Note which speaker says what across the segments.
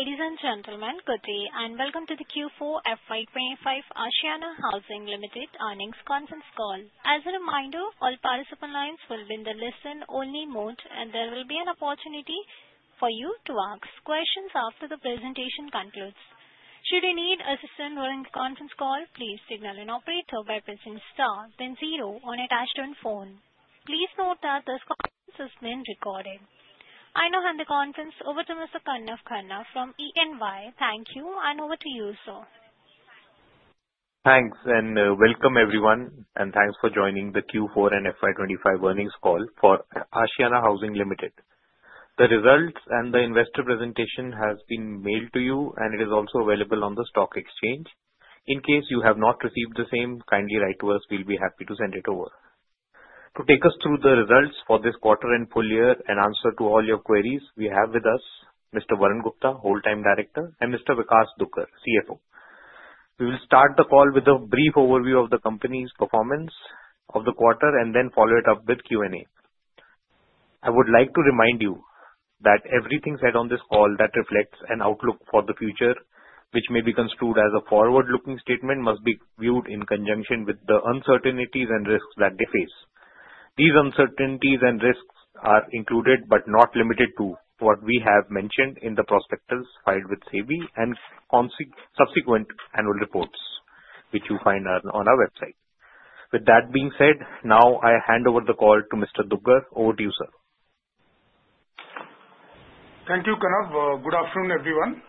Speaker 1: Ladies and gentlemen, good day and welcome to the Q4FY25 Ashiana Housing Ltd Earnings Conference Call. As a reminder, all participant lines will be in the listen-only mode, and there will be an opportunity for you to ask questions after the presentation concludes. Should you need assistance during the conference call, please signal an operator by pressing star, then zero on your touch-tone phone. Please note that this conference is being recorded. I now hand the conference over to Mr. Karnav Khanna from EY. Thank you, and over to you, sir.
Speaker 2: Thanks, and welcome everyone, and thanks for joining the Q4 and FY25 earnings call for Ashiana Housing Ltd. The results and the investor presentation have been mailed to you, and it is also available on the stock exchange. In case you have not received the same, kindly write to us. We'll be happy to send it over. To take us through the results for this quarter and full year and answer to all your queries, we have with us Mr. Varun Gupta, Whole-time Director, and Mr. Vikas Dugar, CFO. We will start the call with a brief overview of the company's performance of the quarter and then follow it up with Q&A. I would like to remind you that everything said on this call that reflects an outlook for the future, which may be construed as a forward-looking statement, must be viewed in conjunction with the uncertainties and risks that they face. These uncertainties and risks are included but not limited to what we have mentioned in the prospectus filed with SEBI and subsequent annual reports, which you find on our website. With that being said, now I hand over the call to Mr. Dugar. Over to you, sir.
Speaker 3: Thank you, Karnav. Good afternoon, everyone.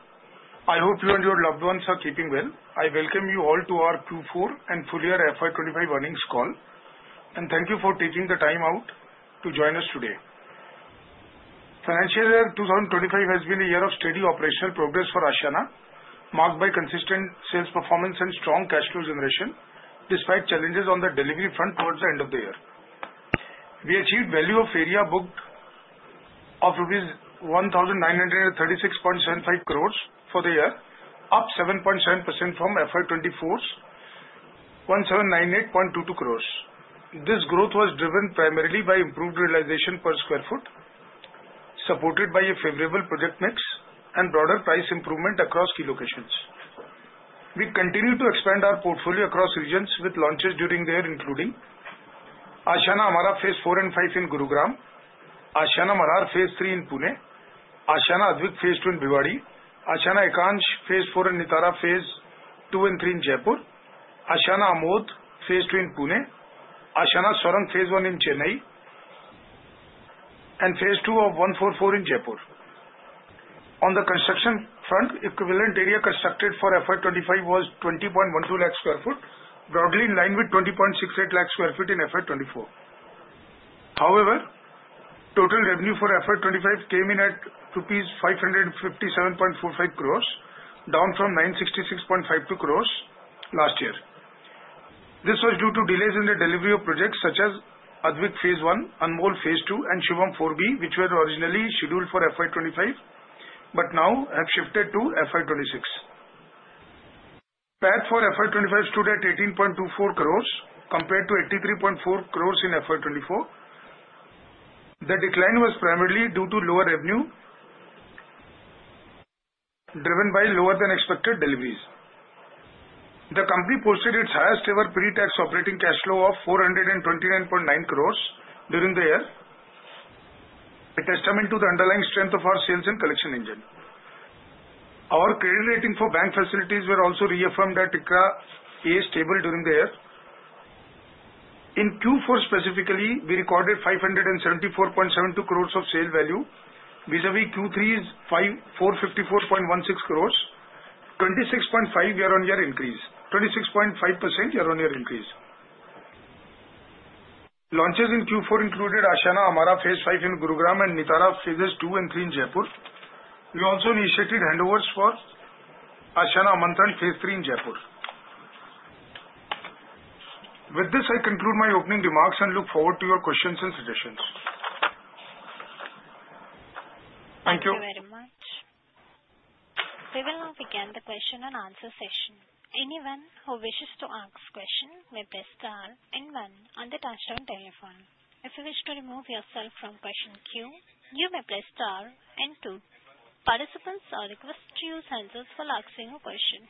Speaker 3: I hope you and your loved ones are keeping well. I welcome you all to our Q4 and full year FY25 earnings call, and thank you for taking the time out to join us today. Financial year 2025 has been a year of steady operational progress for Ashiana, marked by consistent sales performance and strong cash flow generation, despite challenges on the delivery front towards the end of the year. We achieved value of area book of rupees 1,936.75 crores for the year, up 7.7% from FY24's 1,798.22 crores. This growth was driven primarily by improved realization per sq ft, supported by a favorable project mix and broader price improvement across key locations. We continue to expand our portfolio across regions with launches during the year, including Phase IV and V in Gurugram, Phase II in Pune, Phase II in Bhiwadi, Phase II and III in Jaipur, Phase II of 144 in Jaipur. On the construction front, equivalent area constructed for FY25 was 20.12 lakh sq ft, broadly in line with 20.68 lakh sq ft in FY24. However, total revenue for FY25 came in at rupees 557.45 crores, down from 966.52 crores last year. This was due to delays in the delivery of projects such as Phase I, Anmol Phase II, and Shubham 4B, which were originally scheduled for FY25 but now have shifted to FY26. PAT for FY25 stood at 18.24 crores, compared to 83.4 crores in FY24. The decline was primarily due to lower revenue driven by lower-than-expected deliveries. The company posted its highest-ever pre-tax operating cash flow of 429.9 crores during the year, a testament to the underlying strength of our sales and collection engine. Our credit rating for bank facilities was also reaffirmed at ICRA A stable during the year. In Q4 specifically, we recorded 574.72 crores of sale value vis-à-vis Q3's 454.16 crores, 26.5% year-on-year increase. Launches in Q4 included Ashiana Amarah Phase V in Gurugram and Nitara Phases II and III in Jaipur. We also initiated handovers for Phase III in Jaipur. With this, I conclude my opening remarks and look forward to your questions and suggestions. Thank you.
Speaker 1: Thank you very much. We will now begin the Q&A session. Anyone who wishes to ask a question may press star and one on the touch-tone telephone. If you wish to remove yourself from question queue, you may press star and two. Participants are requested to use hands up for asking a question.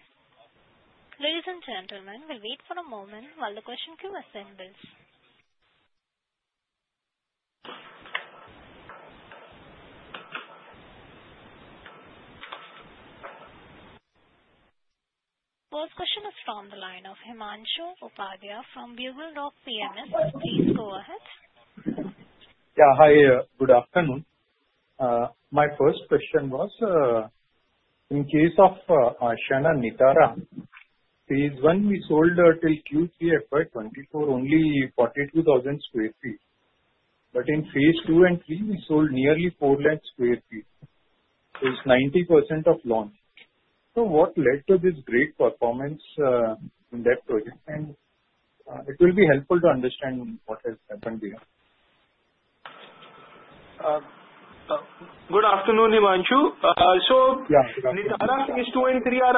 Speaker 1: Ladies and gentlemen, we'll wait for a moment while the question queue assembles. First question is from the line of Himanshu Upadhyay from Buglerock Capital. Please go ahead.
Speaker 4: Yeah, hi, good afternoon. My first question was, in case Phase I, we sold till Q3 FY24 only 42,000 sq ft. Phase II and III, we sold nearly 4 lakh sq ft, which is 90% of land. So what led to this great performance in that project? And it will be helpful to understand what has happened here.
Speaker 5: Good afternoon, Himanshu. Phase II and III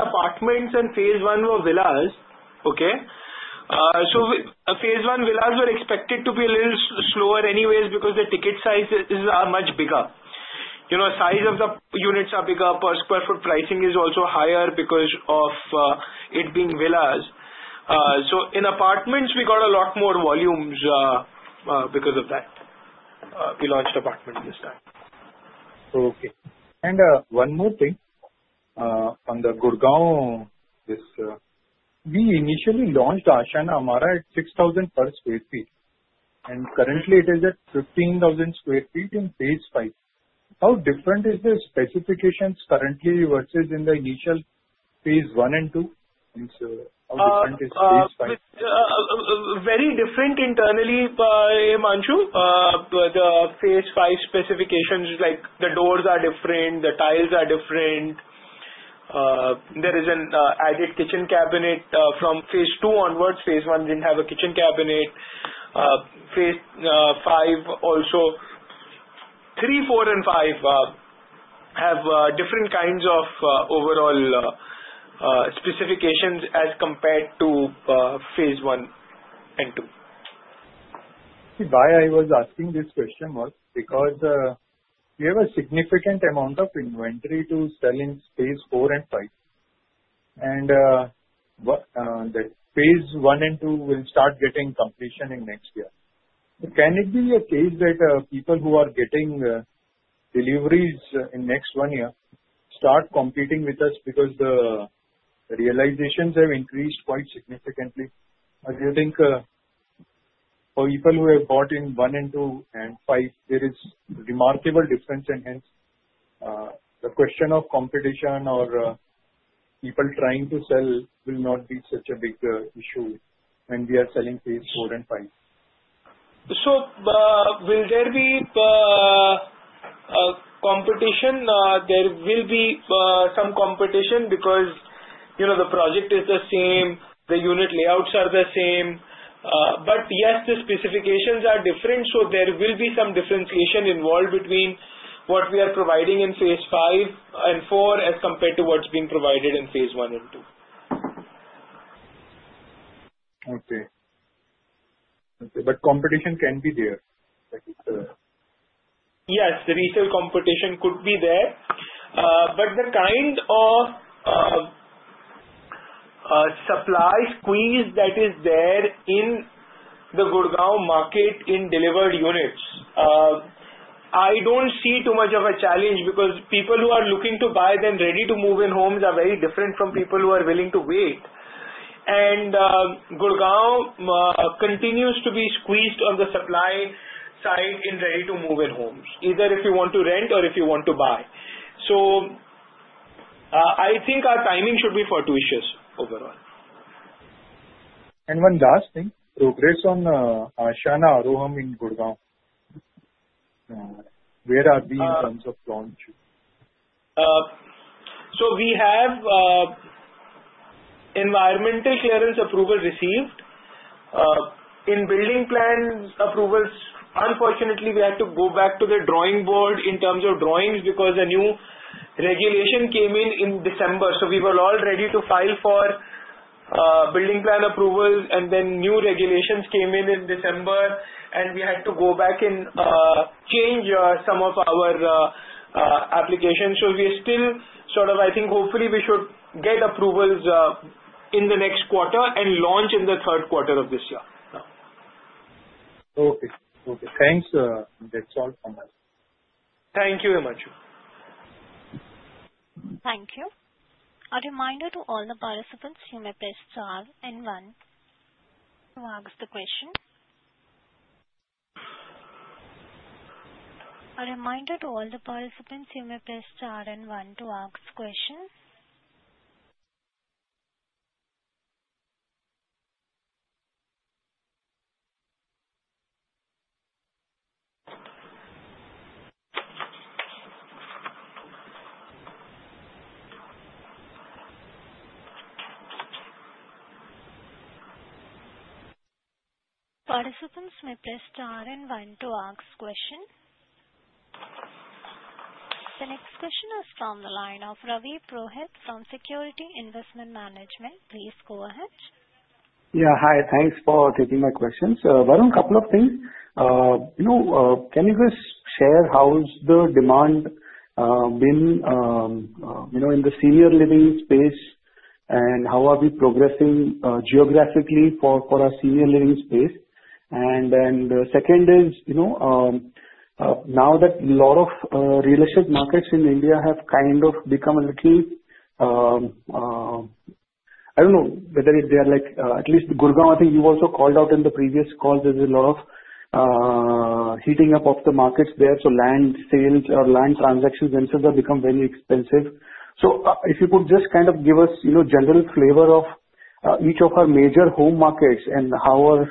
Speaker 5: Phase I villas were expected to be a little slower anyways because the ticket sizes are much bigger. Size of the units are bigger. Per square foot pricing is also higher because of it being villas. So in apartments, we got a lot more volumes because of that. We launched apartments this time.
Speaker 4: Okay. And one more thing on the Gurugram, we initially launched Ashiana Amarah at 6,000 per sq ft. And currently, it is at 15,000 sq ft in Phase V. How different is the specifications currently versus Phase I and II? and how different is Phase V?
Speaker 5: Very different internally, Himanshu. The Phase V specifications, like the doors are different, the tiles are different. There is an added kitchen Phase I didn't have a kitchen cabinet. Phase V also, II, IV, and V have different kinds of overall specifications as Phase I and II.
Speaker 4: See, why I was asking this question was because we have a significant amount of inventory to Phase I and II will start getting completion in next year. Can it be a case that people who are getting deliveries in next one year start competing with us because the realizations have increased quite significantly? As you think, for people who have bought in 1 and 2 and 5, there is a remarkable difference, and hence, the question of competition or people trying to sell will not be such a big issue when we Phase I and V.
Speaker 5: So will there be competition? There will be some competition because the project is the same, the unit layouts are the same. But yes, the specifications are different, so there will be some differentiation involved between what we are providing in Phase V and IV as compared to what's being Phase I and II.
Speaker 4: Okay. But competition can be there.
Speaker 5: Yes, the retail competition could be there. But the kind of supply squeeze that is there in the Gurugram market in delivered units, I don't see too much of a challenge because people who are looking to buy then ready to move in homes are very different from people who are willing to wait. And Gurugram continues to be squeezed on the supply side in ready to move in homes, either if you want to rent or if you want to buy. So I think our timing should be fortuitous overall.
Speaker 4: One last thing, progress on Ashiana Aravalli in Gurugram, where are we in terms of launch?
Speaker 5: So we have environmental clearance approval received. In building plan approvals, unfortunately, we had to go back to the drawing board in terms of drawings because a new regulation came in in December. So we were all ready to file for building plan approvals, and then new regulations came in in December, and we had to go back and change some of our applications. So we are still sort of, I think, hopefully we should get approvals in the next quarter and launch in the Q3 of this year.
Speaker 4: Okay. Okay. Thanks. That's all from us.
Speaker 5: Thank you, Himanshu.
Speaker 1: Thank you. A reminder to all the participants, you may press star and one to ask the question. A reminder to all the participants, you may press star and one to ask question. Participants, may press star and one to ask question. The next question is from the line of Ravi Purohit from Securities Investment Management. Please go ahead.
Speaker 6: Yeah, hi. Thanks for taking my questions. Varun, a couple of things. Can you just share how's the demand been in the senior living space, and how are we progressing geographically for our senior living space? And then the second is, now that a lot of real estate markets in India have kind of become a little, I don't know whether they are like, at least Gurugram, I think you also called out in the previous call, there's a lot of heating up of the markets there. So land sales or land transactions themselves have become very expensive. So if you could just kind of give us general flavor of each of our major home markets and how are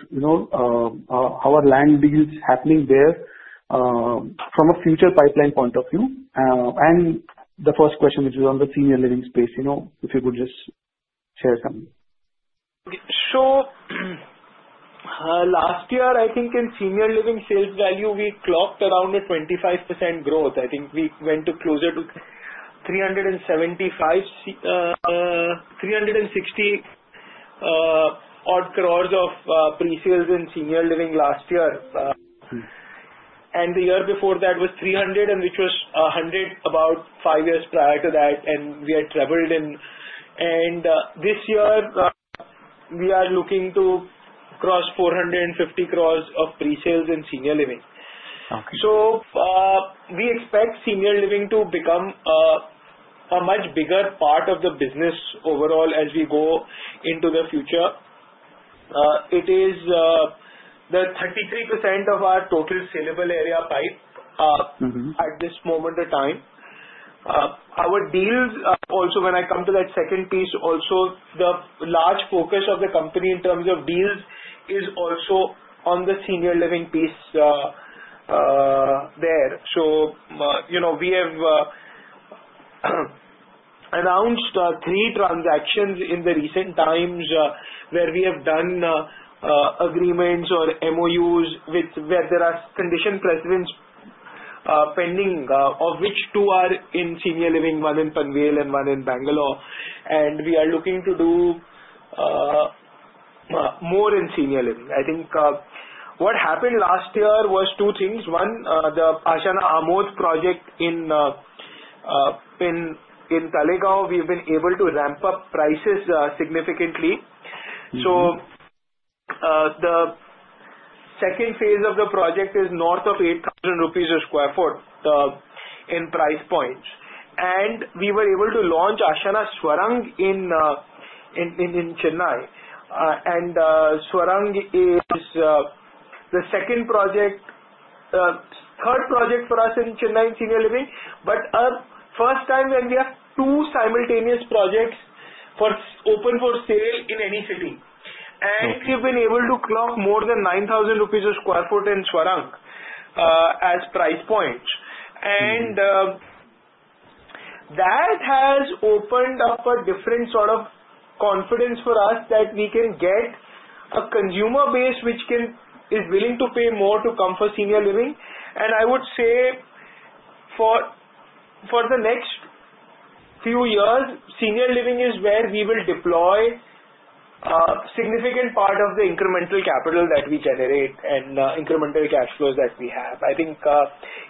Speaker 6: land deals happening there from a future pipeline point of view? And the first question, which is on the senior living space, if you could just share something.
Speaker 5: Okay. So last year, I think in senior living sales value, we clocked around a 25% growth. I think we went closer to 375, 360-odd crores of pre-sales in senior living last year. And the year before that was 300 crores, and which was 100 crores about five years prior to that, and we had traveled in. And this year, we are looking to cross 450 crores of pre-sales in senior living. So we expect senior living to become a much bigger part of the business overall as we go into the future. It is 33% of our total saleable area pipe at this moment in time. Our deals, also when I come to that second piece, also the large focus of the company in terms of deals is also on the senior living piece there. So we have announced three transactions in the recent times where we have done agreements or MOUs where there are condition precedents pending, of which two are in senior living, one in Panvel and one in Bangalore. And we are looking to do more in senior living. I think what happened last year was two things. One, the Ashiana Amodh project in Talegaon, we have been able to ramp up prices significantly. So the second phase of the project is north of 8,000 rupees a sq ft in price points. And we were able to launch Ashiana Swarang in Chennai. And Swarang is the second project, third project for us in Chennai in senior living. But first time when we have two simultaneous projects open for sale in any city. And we've been able to clock more than 9,000 rupees a sq ft in Swarang as price points. And that has opened up a different sort of confidence for us that we can get a consumer base which is willing to pay more to come for senior living. And I would say for the next few years, senior living is where we will deploy a significant part of the incremental capital that we generate and incremental cash flows that we have. I think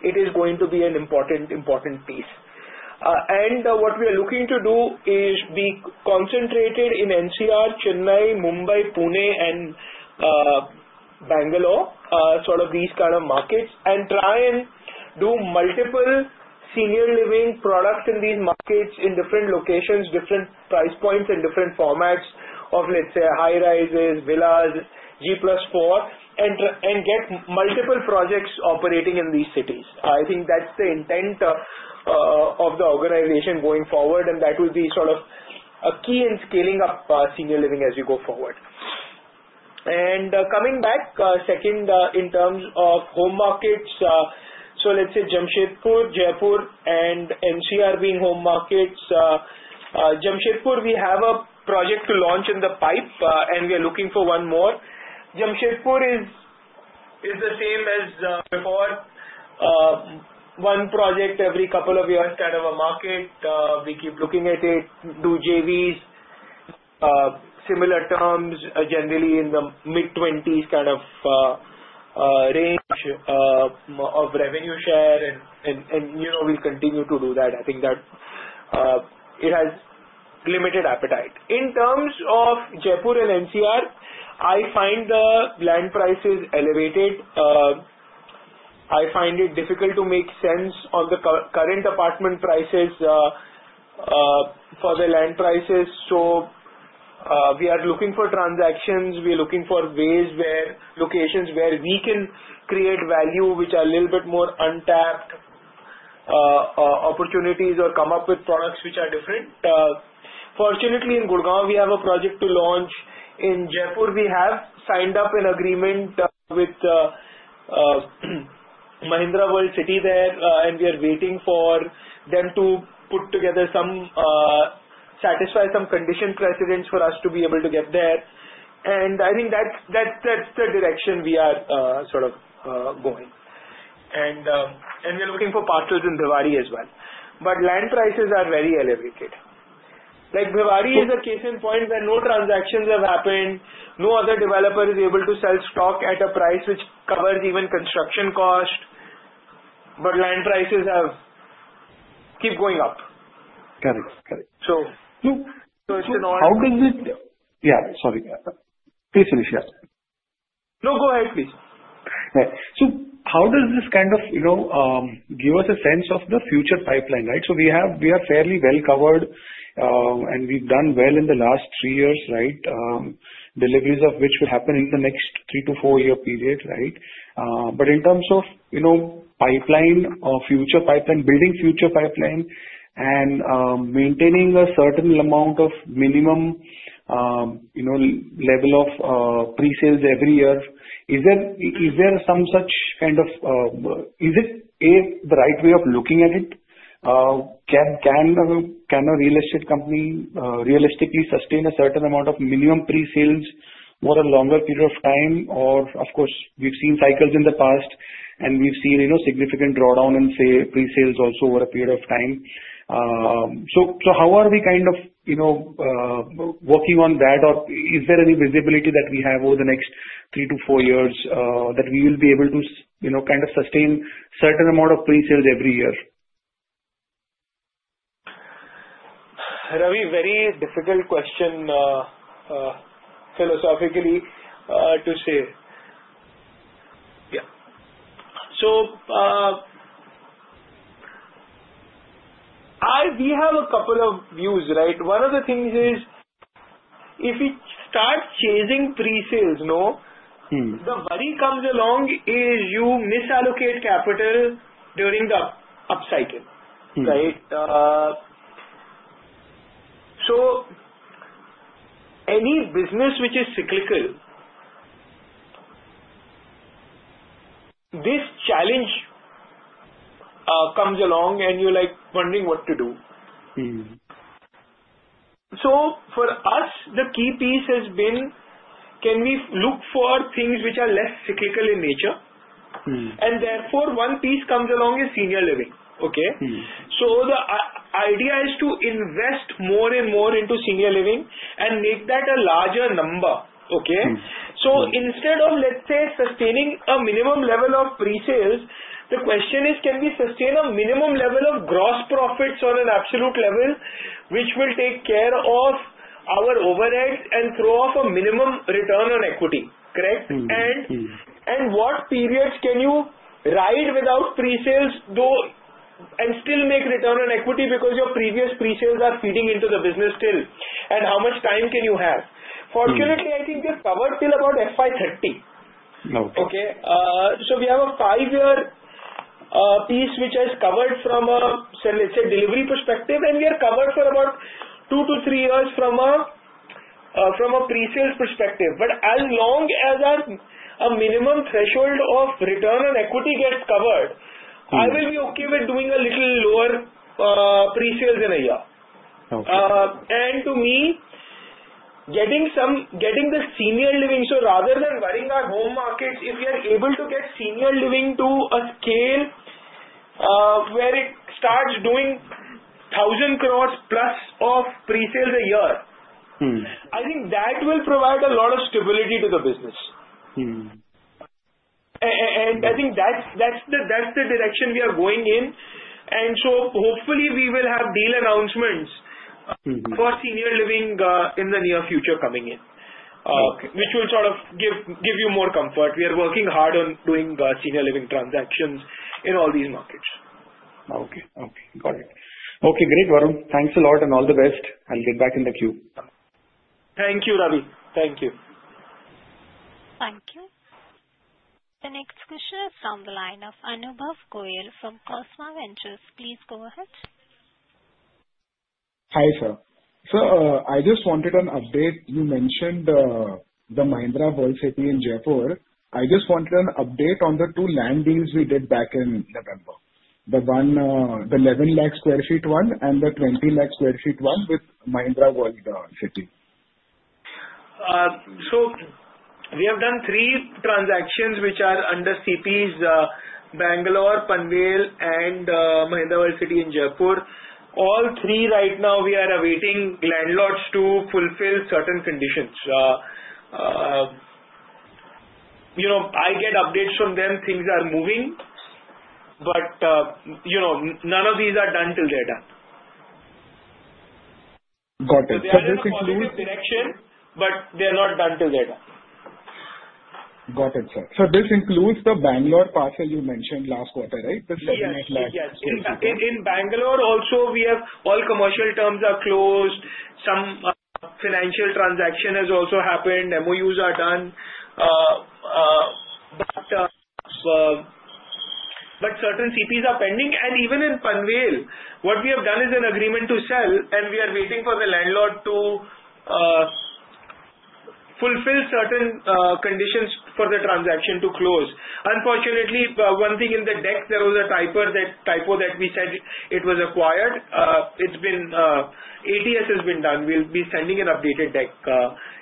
Speaker 5: it is going to be an important piece. And what we are looking to do is be concentrated in NCR, Chennai, Mumbai, Pune, and Bangalore, sort of these kind of markets, and try and do multiple senior living products in these markets in different locations, different price points and different formats of, let's say, high rises, villas, G+4, and get multiple projects operating in these cities. I think that's the intent of the organization going forward, and that will be sort of a key in scaling up senior living as we go forward, and coming back, second, in terms of home markets, so let's say Jamshedpur, Jaipur, and NCR being home markets. Jamshedpur, we have a project to launch in the pipeline, and we are looking for one more. Jamshedpur is the same as before. One project every couple of years kind of a market. We keep looking at it, do JVs, similar terms, generally in the mid-20s kind of range of revenue share, and we'll continue to do that. I think that it has limited appetite. In terms of Jaipur and NCR, I find the land prices elevated. I find it difficult to make sense on the current apartment prices for the land prices. So we are looking for transactions. We are looking for ways where locations where we can create value, which are a little bit more untapped opportunities or come up with products which are different. Fortunately, in Gurugram, we have a project to launch. In Jaipur, we have signed up an agreement with Mahindra World City there, and we are waiting for them to put together some conditions precedent for us to be able to get there. I think that's the direction we are sort of going. We are looking for parcels in Bhiwadi as well. Land prices are very elevated. Like Bhiwadi is a case in point where no transactions have happened. No other developer is able to sell stock at a price which covers even construction cost. Land prices keep going up.
Speaker 6: Correct. Correct. So how does it, yeah, sorry. Please finish, yeah.
Speaker 5: No, go ahead, please.
Speaker 6: Right. So how does this kind of give us a sense of the future pipeline, right? We are fairly well covered, and we've done well in the last three years, right? Deliveries of which will happen in the next three- to four-year period, right? But in terms of pipeline or future pipeline, building future pipeline, and maintaining a certain amount of minimum level of pre-sales every year, is there some such kind of? Is it the right way of looking at it? Can a real estate company realistically sustain a certain amount of minimum pre-sales over a longer period of time? Or, of course, we've seen cycles in the past, and we've seen significant drawdown in, say, pre-sales also over a period of time. So how are we kind of working on that? Or is there any visibility that we have over the next three to four years that we will be able to kind of sustain a certain amount of pre-sales every year?
Speaker 5: Ravi, very difficult question philosophically to say. Yeah, so we have a couple of views, right? One of the things is if you start chasing pre-sales, the worry comes along is you misallocate capital during the upcycling, right, so any business which is cyclical, this challenge comes along, and you're wondering what to do. For us, the key piece has been, can we look for things which are less cyclical in nature, and therefore, one piece comes along is senior living, okay, so the idea is to invest more and more into senior living and make that a larger number, okay, so instead of, let's say, sustaining a minimum level of pre-sales, the question is, can we sustain a minimum level of gross profits on an absolute level, which will take care of our overhead and throw off a minimum return on equity, correct? What periods can you ride without pre-sales and still make Return on Equity because your previous pre-sales are feeding into the business still? How much time can you have? Fortunately, I think we have covered till about FY30, okay? We have a five-year piece which has covered from a, let's say, delivery perspective, and we are covered for about two-to-three years from a pre-sales perspective. As long as a minimum threshold of Return on Equity gets covered, I will be okay with doing a little lower pre-sales in a year. To me, getting the senior living, so rather than worrying about home markets, if we are able to get senior living to a scale where it starts doing 1,000 crores plus of pre-sales a year, I think that will provide a lot of stability to the business. And I think that's the direction we are going in. And so hopefully, we will have deal announcements for senior living in the near future coming in, which will sort of give you more comfort. We are working hard on doing senior living transactions in all these markets.
Speaker 6: Okay. Got it. Great, Varun. Thanks a lot and all the best. I'll get back in the queue.
Speaker 5: Thank you, Ravi. Thank you.
Speaker 1: Thank you. The next question is from the line of Anubhav Goel from Cosma Ventures. Please go ahead.
Speaker 7: Hi, sir. So I just wanted an update. You mentioned the Mahindra World City in Jaipur. I just wanted an update on the two land deals we did back in November, the 11 lakh sq ft one and the 20 lakh sq ft one with Mahindra World City.
Speaker 5: So we have done three transactions which are under CPs, Bangalore, Panvel, and Mahindra World City in Jaipur. All three right now, we are awaiting landlords to fulfill certain conditions. I get updates from them, things are moving, but none of these are done till they're done.
Speaker 7: Got it. So this includes.
Speaker 5: But they're not done till they're done.
Speaker 7: Got it, sir. So this includes the Bangalore parcel you mentioned last quarter, right? The 78 lakh sq ft.
Speaker 5: Yes. Yes. In Bangalore also, all commercial terms are closed. Some financial transaction has also happened. MOUs are done, but certain CPs are pending, and even in Panvel, what we have done is an agreement to sell, and we are waiting for the landlord to fulfill certain conditions for the transaction to close. Unfortunately, one thing in the deck, there was a typo that we said it was acquired. It's been ATS has been done. We'll be sending an updated deck.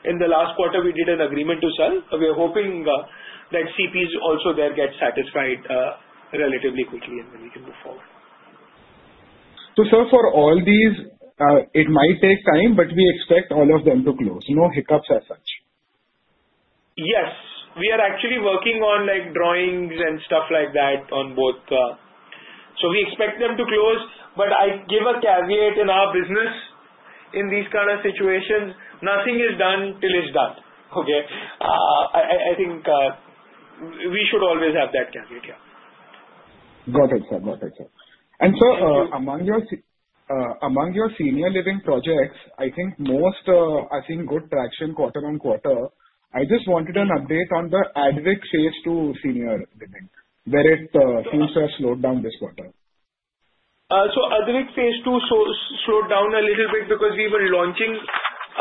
Speaker 5: In the last quarter, we did an agreement to sell. We are hoping that CPs also there get satisfied relatively quickly, and then we can move forward.
Speaker 7: So, sir, for all these, it might take time, but we expect all of them to close. No hiccups as such.
Speaker 5: Yes. We are actually working on drawings and stuff like that on both. So we expect them to close. But I give a caveat in our business, in these kind of situations, nothing is done till it's done, okay? I think we should always have that caveat, yeah.
Speaker 7: Got it, sir. Got it, sir. And sir, among your senior living projects, I think most are seeing good traction quarter on quarter. I just wanted an update on Phase II senior living, where it seems to have slowed down this quarter.
Speaker 5: Phase II slowed down a little bit because we were launching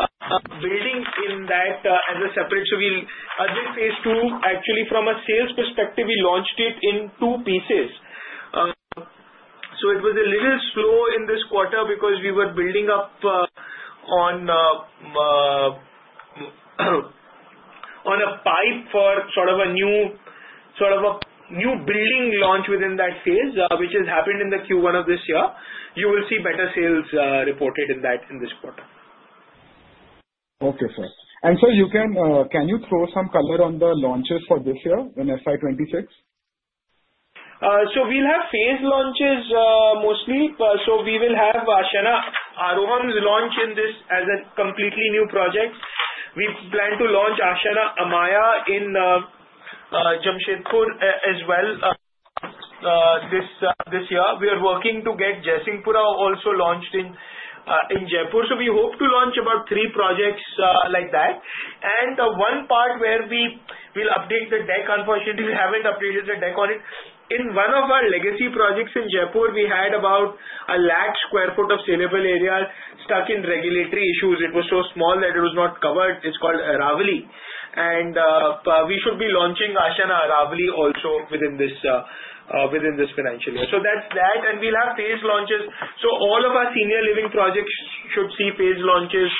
Speaker 5: a building in that as a separate Phase II, actually, from a sales perspective, we launched it in two pieces. So it was a little slow in this quarter because we were building up on a pipeline for sort of a new building launch within that phase, which has happened in the Q1 of this year. You will see better sales reported in that in this quarter.
Speaker 7: Okay, sir. And sir, can you throw some color on the launches for this year in FY26?
Speaker 5: We'll have phase launches mostly. We will have Ashiana Arohan's launch in this as a completely new project. We plan to launch Ashiana Amaya in Jamshedpur as well this year. We are working to get Jaisinghpura also launched in Jaipur. We hope to launch about three projects like that. One part where we will update the deck, unfortunately, we haven't updated the deck on it. In one of our legacy projects in Jaipur, we had about a lakh sq ft of saleable area stuck in regulatory issues. It was so small that it was not covered. It's called Aravalli. We should be launching Ashiana Aravalli also within this financial year. That's that. We'll have phase launches. All of our senior living projects should see phase launches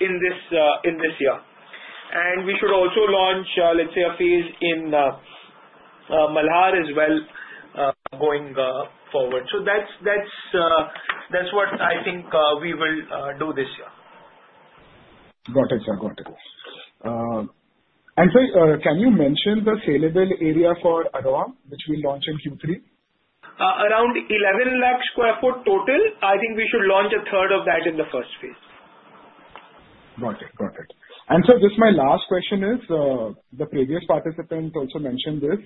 Speaker 5: in this year. And we should also launch, let's phase in Malhar as well going forward. So that's what I think we will do this year.
Speaker 7: Got it, sir. Got it, and sir, can you mention the saleable area for Aravalli, which we'll launch in Q3?
Speaker 5: Around 11 lakh sq ft total. I think we should launch a third of that in the first phase.
Speaker 7: Got it. Got it. And sir, just my last question is, the previous participant also mentioned this.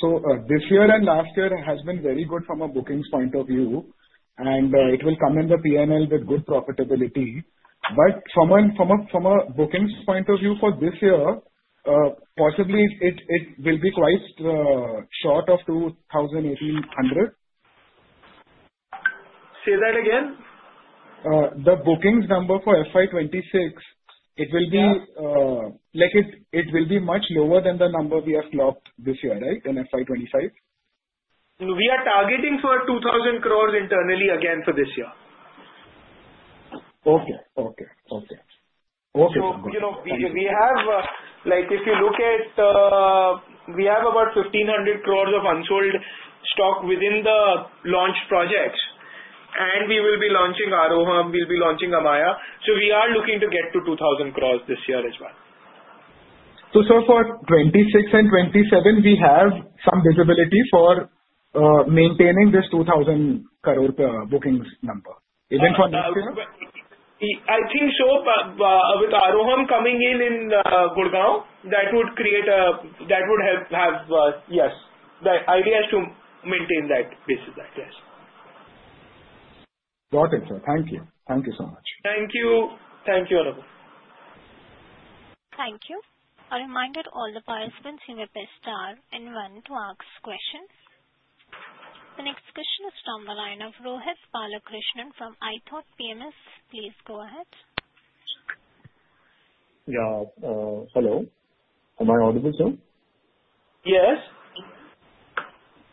Speaker 7: So this year and last year has been very good from a bookings point of view, and it will come in the P&L with good profitability. But from a bookings point of view for this year, possibly it will be quite short of 2,800.
Speaker 5: Say that again.
Speaker 7: The bookings number for FY26, it will be much lower than the number we have clocked this year, right, in FY25?
Speaker 5: We are targeting for 2,000 crores internally again for this year.
Speaker 7: Okay.
Speaker 5: So we have, if you look at, we have about 1,500 crores of unsold stock within the launch project. And we will be launching Aravalli. We'll be launching Amaya. So we are looking to get to 2,000 crores this year as well.
Speaker 7: So, sir, for 26 and 27, we have some visibility for maintaining this 2,000 crore bookings number, even for next year?
Speaker 5: I think so. With Aravalli coming in in Gurugram, that would create a basis, yes. The idea is to maintain that basis, yes.
Speaker 7: Got it, sir. Thank you. Thank you so much.
Speaker 5: Thank you. Thank you, Aravalli.
Speaker 1: Thank you. A reminder: all the participants will be muted and want to ask questions. The next question is from the line of Rohit Balakrishnan from ithought PMS. Please go ahead.
Speaker 8: Yeah. Hello. Am I audible, sir?
Speaker 5: Yes.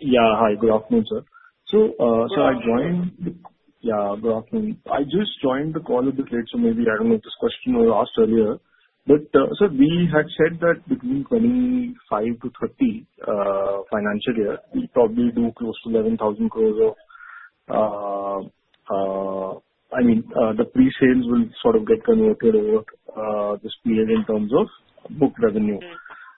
Speaker 8: Yeah. Hi. Good afternoon, sir. So I joined. Yeah, good afternoon. I just joined the call a bit late, so maybe I don't know if this question was asked earlier. But sir, we had said that between FY25 to FY30 financial year, we probably do close to 11,000 crores of. I mean, the pre-sales will sort of get converted over this period in terms of booked revenue.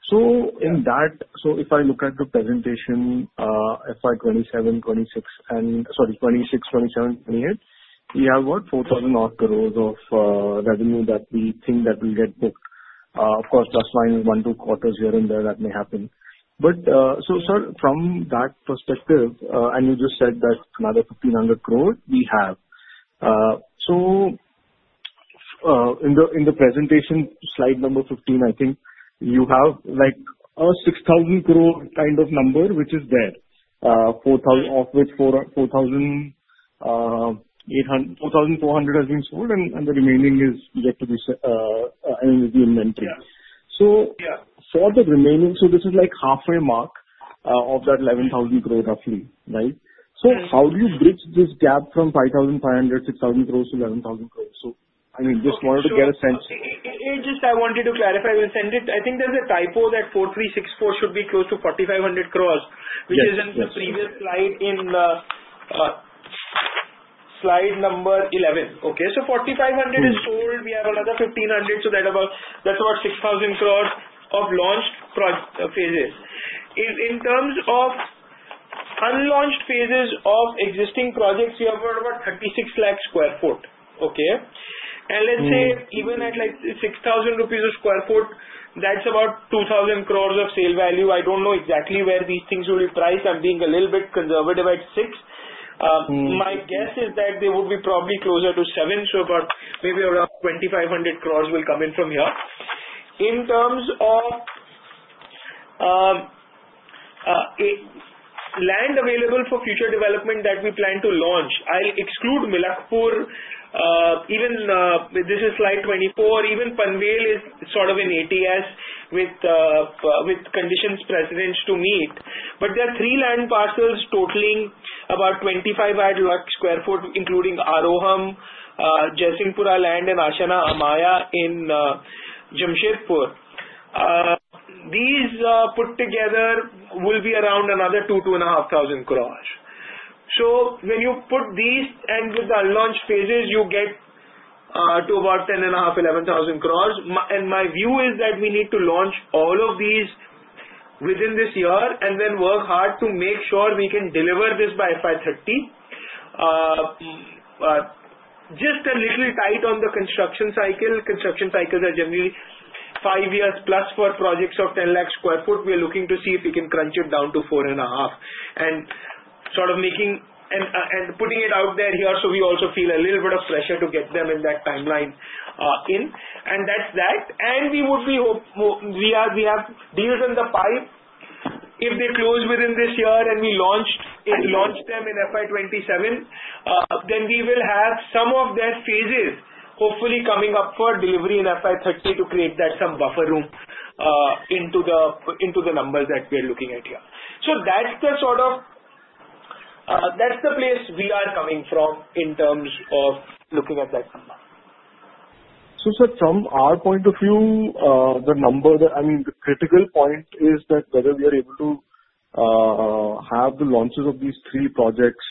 Speaker 8: So in that, so if I look at the presentation, FY26, sorry, 26, 27, 28, we have what? 4,000-odd crores of revenue that we think that will get booked. Of course, plus minus one to two quarters here and there that may happen. But so, sir, from that perspective, and you just said that another 1,500 crores we have. So in the presentation, slide number 15, I think you have a 6,000 crore kind of number, which is there, of which 4,800-4,400 has been sold, and the remaining is yet to be, I mean, the inventory. So for the remaining, so this is like halfway mark of that 11,000 crore roughly, right? So how do you bridge this gap from 5,500, 6,000 crores to 11,000 crores? So I mean, just wanted to get a sense.
Speaker 5: Just I wanted to clarify. We'll send it. I think there's a typo that 4,364 should be close to 4,500 crores, which is in the previous slide in slide number 11, okay? So 4,500 is sold. We have another 1,500. So that's about 6,000 crores of launched phases. In terms of unlaunched phases of existing projects, we have about 36 lakh sq ft, okay? And let's say even at like ₹6,000 a sq ft, that's about 2,000 crores of sale value. I don't know exactly where these things will be priced. I'm being a little bit conservative at 6. My guess is that they would be probably closer to 7. So maybe around 2,500 crores will come in from here. In terms of land available for future development that we plan to launch, I'll exclude Milakpur. Even this is slide 24. Even Panvel is sort of in ATS with conditions precedent to meet. But there are three land parcels totaling about 25 lakh sq ft, including Aravalli, Jaisinghpura land, and Ashiana Amaya in Jamshedpur. These put together will be around another 2,000-2,500 crores. So when you put these and with the unlaunched phases, you get to about 10,500-11,000 crores. And my view is that we need to launch all of these within this year and then work hard to make sure we can deliver this by FY30. Just a little tight on the construction cycle. Construction cycles are generally five years plus for projects of 10 lakh sq ft. We are looking to see if we can crunch it down to four and a half and sort of making and putting it out there here so we also feel a little bit of pressure to get them in that timeline in. And that's that. And we would be hopeful we have deals in the pipe. If they close within this year and we launch them in FY27, then we will have some of their phases hopefully coming up for delivery in FY30 to create that some buffer room into the numbers that we are looking at here. So that's the sort of that's the place we are coming from in terms of looking at that number.
Speaker 8: So sir, from our point of view, the number that I mean, the critical point is that whether we are able to have the launches of these three projects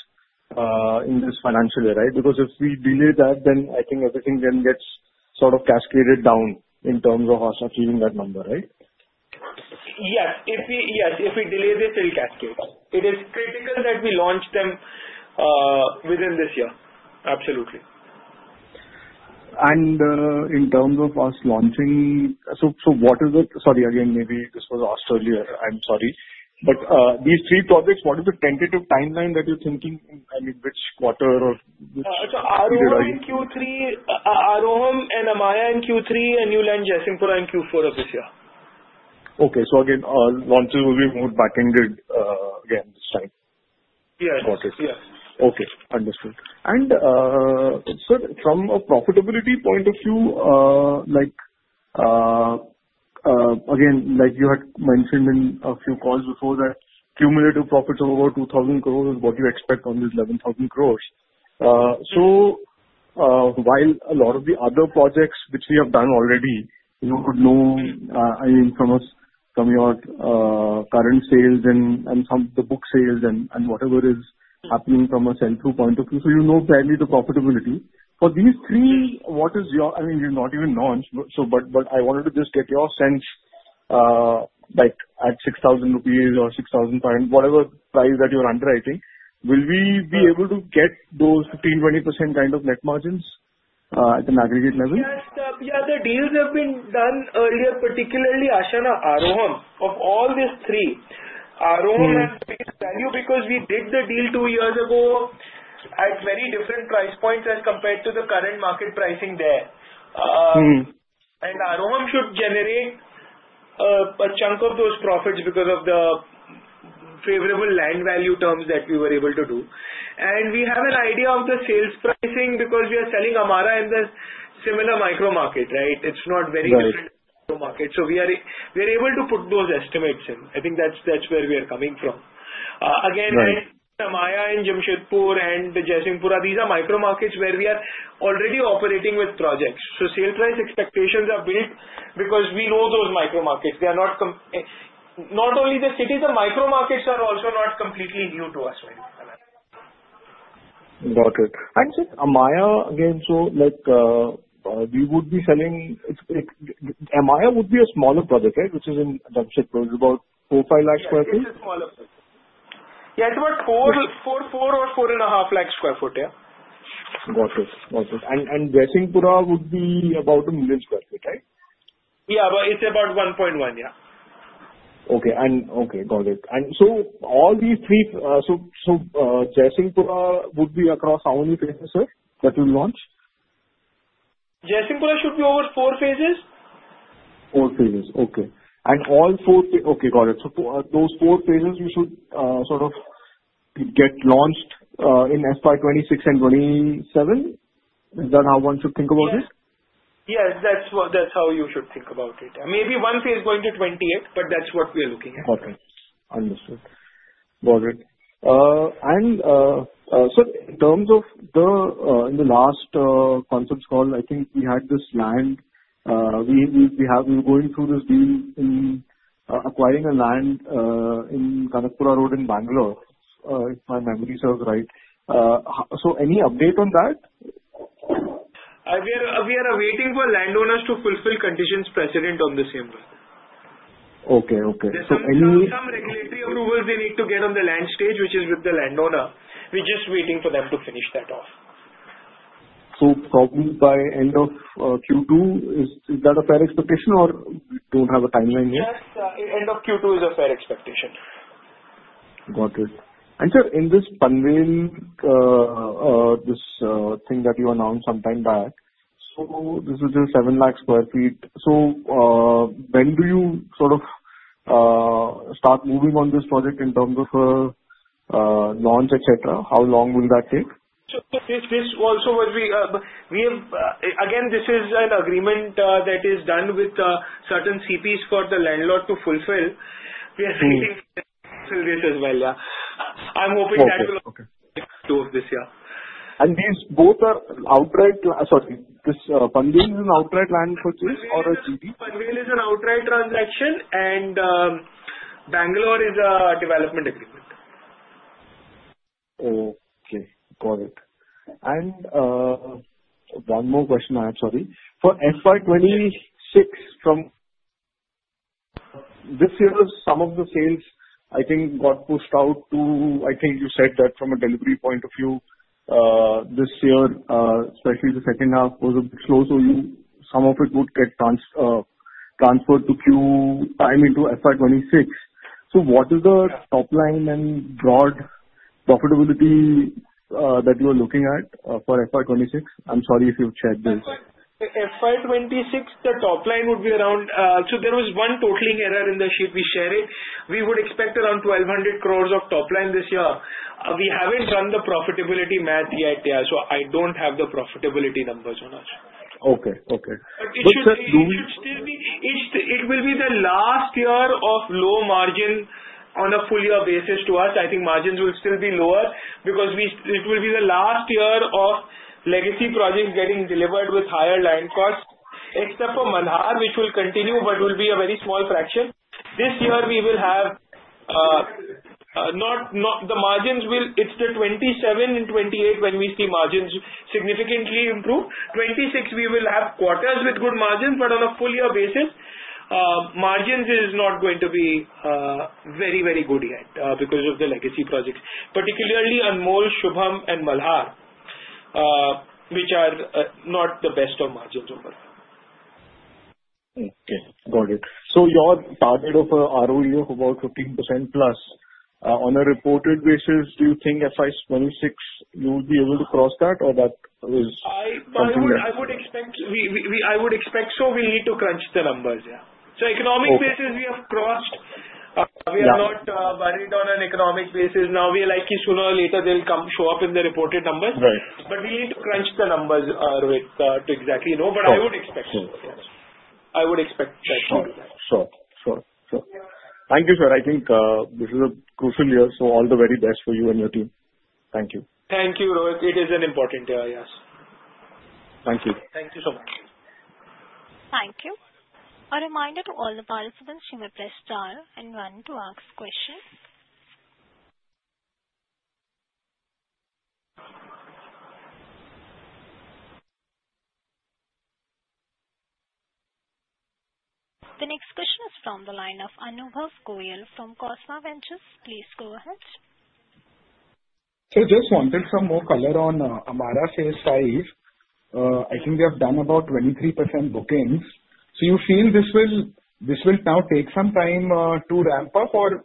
Speaker 8: in this financial year, right? Because if we delay that, then I think everything then gets sort of cascaded down in terms of us achieving that number, right?
Speaker 5: Yes. If we delay this, it will cascade. It is critical that we launch them within this year. Absolutely.
Speaker 8: And in terms of us launching, so what is the, sorry, again, maybe this was asked earlier. I'm sorry. But these three projects, what is the tentative timeline that you're thinking? I mean, which quarter or which period are you?
Speaker 5: Aravalli in Q3, Aravalli and Amaya in Q3, and new land Jaisingpura in Q4 of this year.
Speaker 8: Okay. So again, launches will be moved back-ended again this time.
Speaker 5: Yes.
Speaker 8: Got it.
Speaker 5: Yes.
Speaker 8: Okay. Understood. And sir, from a profitability point of view, again, like you had mentioned in a few calls before that cumulative profits of about 2,000 crores is what you expect on these 11,000 crores. So while a lot of the other projects, which we have done already, you would know, I mean, from your current sales and some of the book sales and whatever is happening from a sale-through point of view. So you know fairly the profitability. For these three, what is your—I mean, you've not even launched. But I wanted to just get your sense at 6,000 rupees or 6,500, whatever price that you're underwriting, will we be able to get those 15%-20% kind of net margins at an aggregate level?
Speaker 5: Yes. Yeah. The deals have been done earlier, particularly Ashiana Aravalli of all these three. Aravalli has faced value because we did the deal two years ago at very different price points as compared to the current market pricing there, and Aravalli should generate a chunk of those profits because of the favorable land value terms that we were able to do, and we have an idea of the sales pricing because we are selling Amarah in the similar micro market, right? It's not very different in the micro market, so we are able to put those estimates in. I think that's where we are coming from. Again, Amaya and Jamshedpur and Jaisingpura, these are micro markets where we are already operating with projects, so sale-price expectations are built because we know those micro markets. They are not only the cities. The micro markets are also not completely new to us right now.
Speaker 8: Got it. And sir, Amaya again, so we would be selling, Amaya would be a smaller project, right? Which is in Jamshedpur, it's about 4,500 lakh sq ft?
Speaker 5: Yeah. It's about four or four and a half lakh sq ft, yeah.
Speaker 8: Got it. Got it. And Jaisingpura would be about 1 million sq ft, right?
Speaker 5: Yeah. It's about 1.1, yeah.
Speaker 8: And so all these three, so Jaisingpura would be across how many phases, sir, that will launch?
Speaker 5: Jaisingpura should be over four phases.
Speaker 8: Four phases. Okay. And all four, okay. Got it. So those four phases, you should sort of get launched in FY26 and 27? Is that how one should think about it?
Speaker 5: Yes. That's how you should think about it. Maybe one phase going to 28, but that's what we are looking at.
Speaker 8: Okay. Understood. Got it. And sir, in terms of the last conference call, I think we had this land. We were going through this deal in acquiring a land in Kanakapura Road in Bangalore, if my memory serves right. So any update on that?
Speaker 5: We are awaiting for landowners to fulfill conditions precedent on the same land.
Speaker 8: Okay. Okay. So any
Speaker 5: There's some regulatory approvals we need to get on the land stage, which is with the landowner. We're just waiting for them to finish that off.
Speaker 8: So probably by end of Q2, is that a fair expectation or don't have a timeline yet?
Speaker 5: Yes. End of Q2 is a fair expectation.
Speaker 8: Got it. And sir, in this Panvel, this thing that you announced some time back, so this is just 7 lakh sq ft. So when do you sort of start moving on this project in terms of launch, etc.? How long will that take?
Speaker 5: Again, this is an agreement that is done with certain CPs for the landlord to fulfill. We are sitting with this as well, yeah. I'm hoping that will.
Speaker 8: Okay. Okay.
Speaker 5: Two of this, yeah.
Speaker 8: These both are outright, sorry, this Panvel is an outright land purchase or a JD?
Speaker 5: Panvel is an outright transaction, and Bangalore is a development agreement.
Speaker 8: Okay. Got it, and one more question, I am sorry. For FY26, from this year, some of the sales, I think, got pushed out to, I think you said that from a delivery point of view, this year, especially the second half, was a bit slow, so some of it would get transferred to Q, I mean, to FY26. So what is the top line and broad profitability that you are looking at for FY26? I'm sorry if you've shared this.
Speaker 5: FY26, the top line would be around, so there was one totaling error in the sheet we shared. We would expect around 1,200 crores of top line this year. We haven't done the profitability math yet, yeah. So I don't have the profitability numbers on us.
Speaker 8: Okay. Okay.
Speaker 5: But it will be the last year of low margin on a full-year basis to us. I think margins will still be lower because it will be the last year of legacy projects getting delivered with higher land costs, except for Malhar, which will continue, but will be a very small fraction. This year, it's the 27 and 28 when we see margins significantly improve. 26, we will have quarters with good margins, but on a full-year basis, margins are not going to be very, very good yet because of the legacy projects, particularly Anmol, Shubham, and Malhar, which are not the best of margins overall.
Speaker 8: Okay. Got it. So your target ROE of about 15% plus. On a reported basis, do you think FY26 you will be able to cross that or is that?
Speaker 5: I would expect so. We need to crunch the numbers, yeah. On an economic basis, we have crossed. We are not worried on an economic basis. Now, we are likely sooner or later they'll come show up in the reported numbers. But we need to crunch the numbers to exactly know. But I would expect so, yes. I would expect that to be there.
Speaker 8: Sure. Sure. Sure. Thank you, sir. I think this is a crucial year. So all the very best for you and your team. Thank you.
Speaker 5: Thank you, Rohit. It is an important year, yes.
Speaker 8: Thank you.
Speaker 5: Thank you so much.
Speaker 1: Thank you. A reminder to all the participants to press star and one to ask question. The next question is from the line of Anubhav Goel from Cosma Ventures. Please go ahead.
Speaker 7: Sir, just wanted some more color on Amara phase five. I think we have done about 23% bookings. So you feel this will now take some time to ramp up or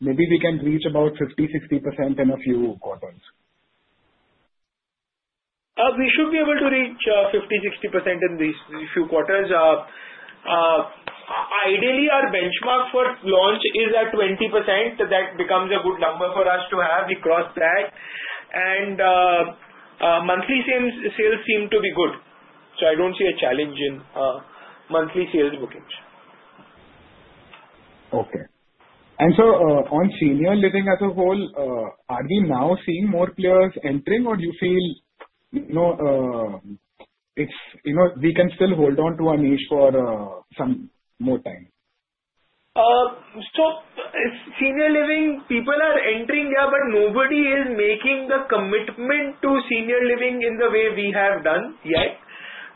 Speaker 7: maybe we can reach about 50%-60% in a few quarters?
Speaker 5: We should be able to reach 50-60% in these few quarters. Ideally, our benchmark for launch is at 20%. That becomes a good number for us to have. We crossed that, and monthly sales seem to be good, so I don't see a challenge in monthly sales bookings.
Speaker 7: Okay. And sir, on senior living as a whole, are we now seeing more players entering or do you feel we can still hold on to our niche for some more time?
Speaker 5: So senior living, people are entering, yeah, but nobody is making the commitment to senior living in the way we have done yet.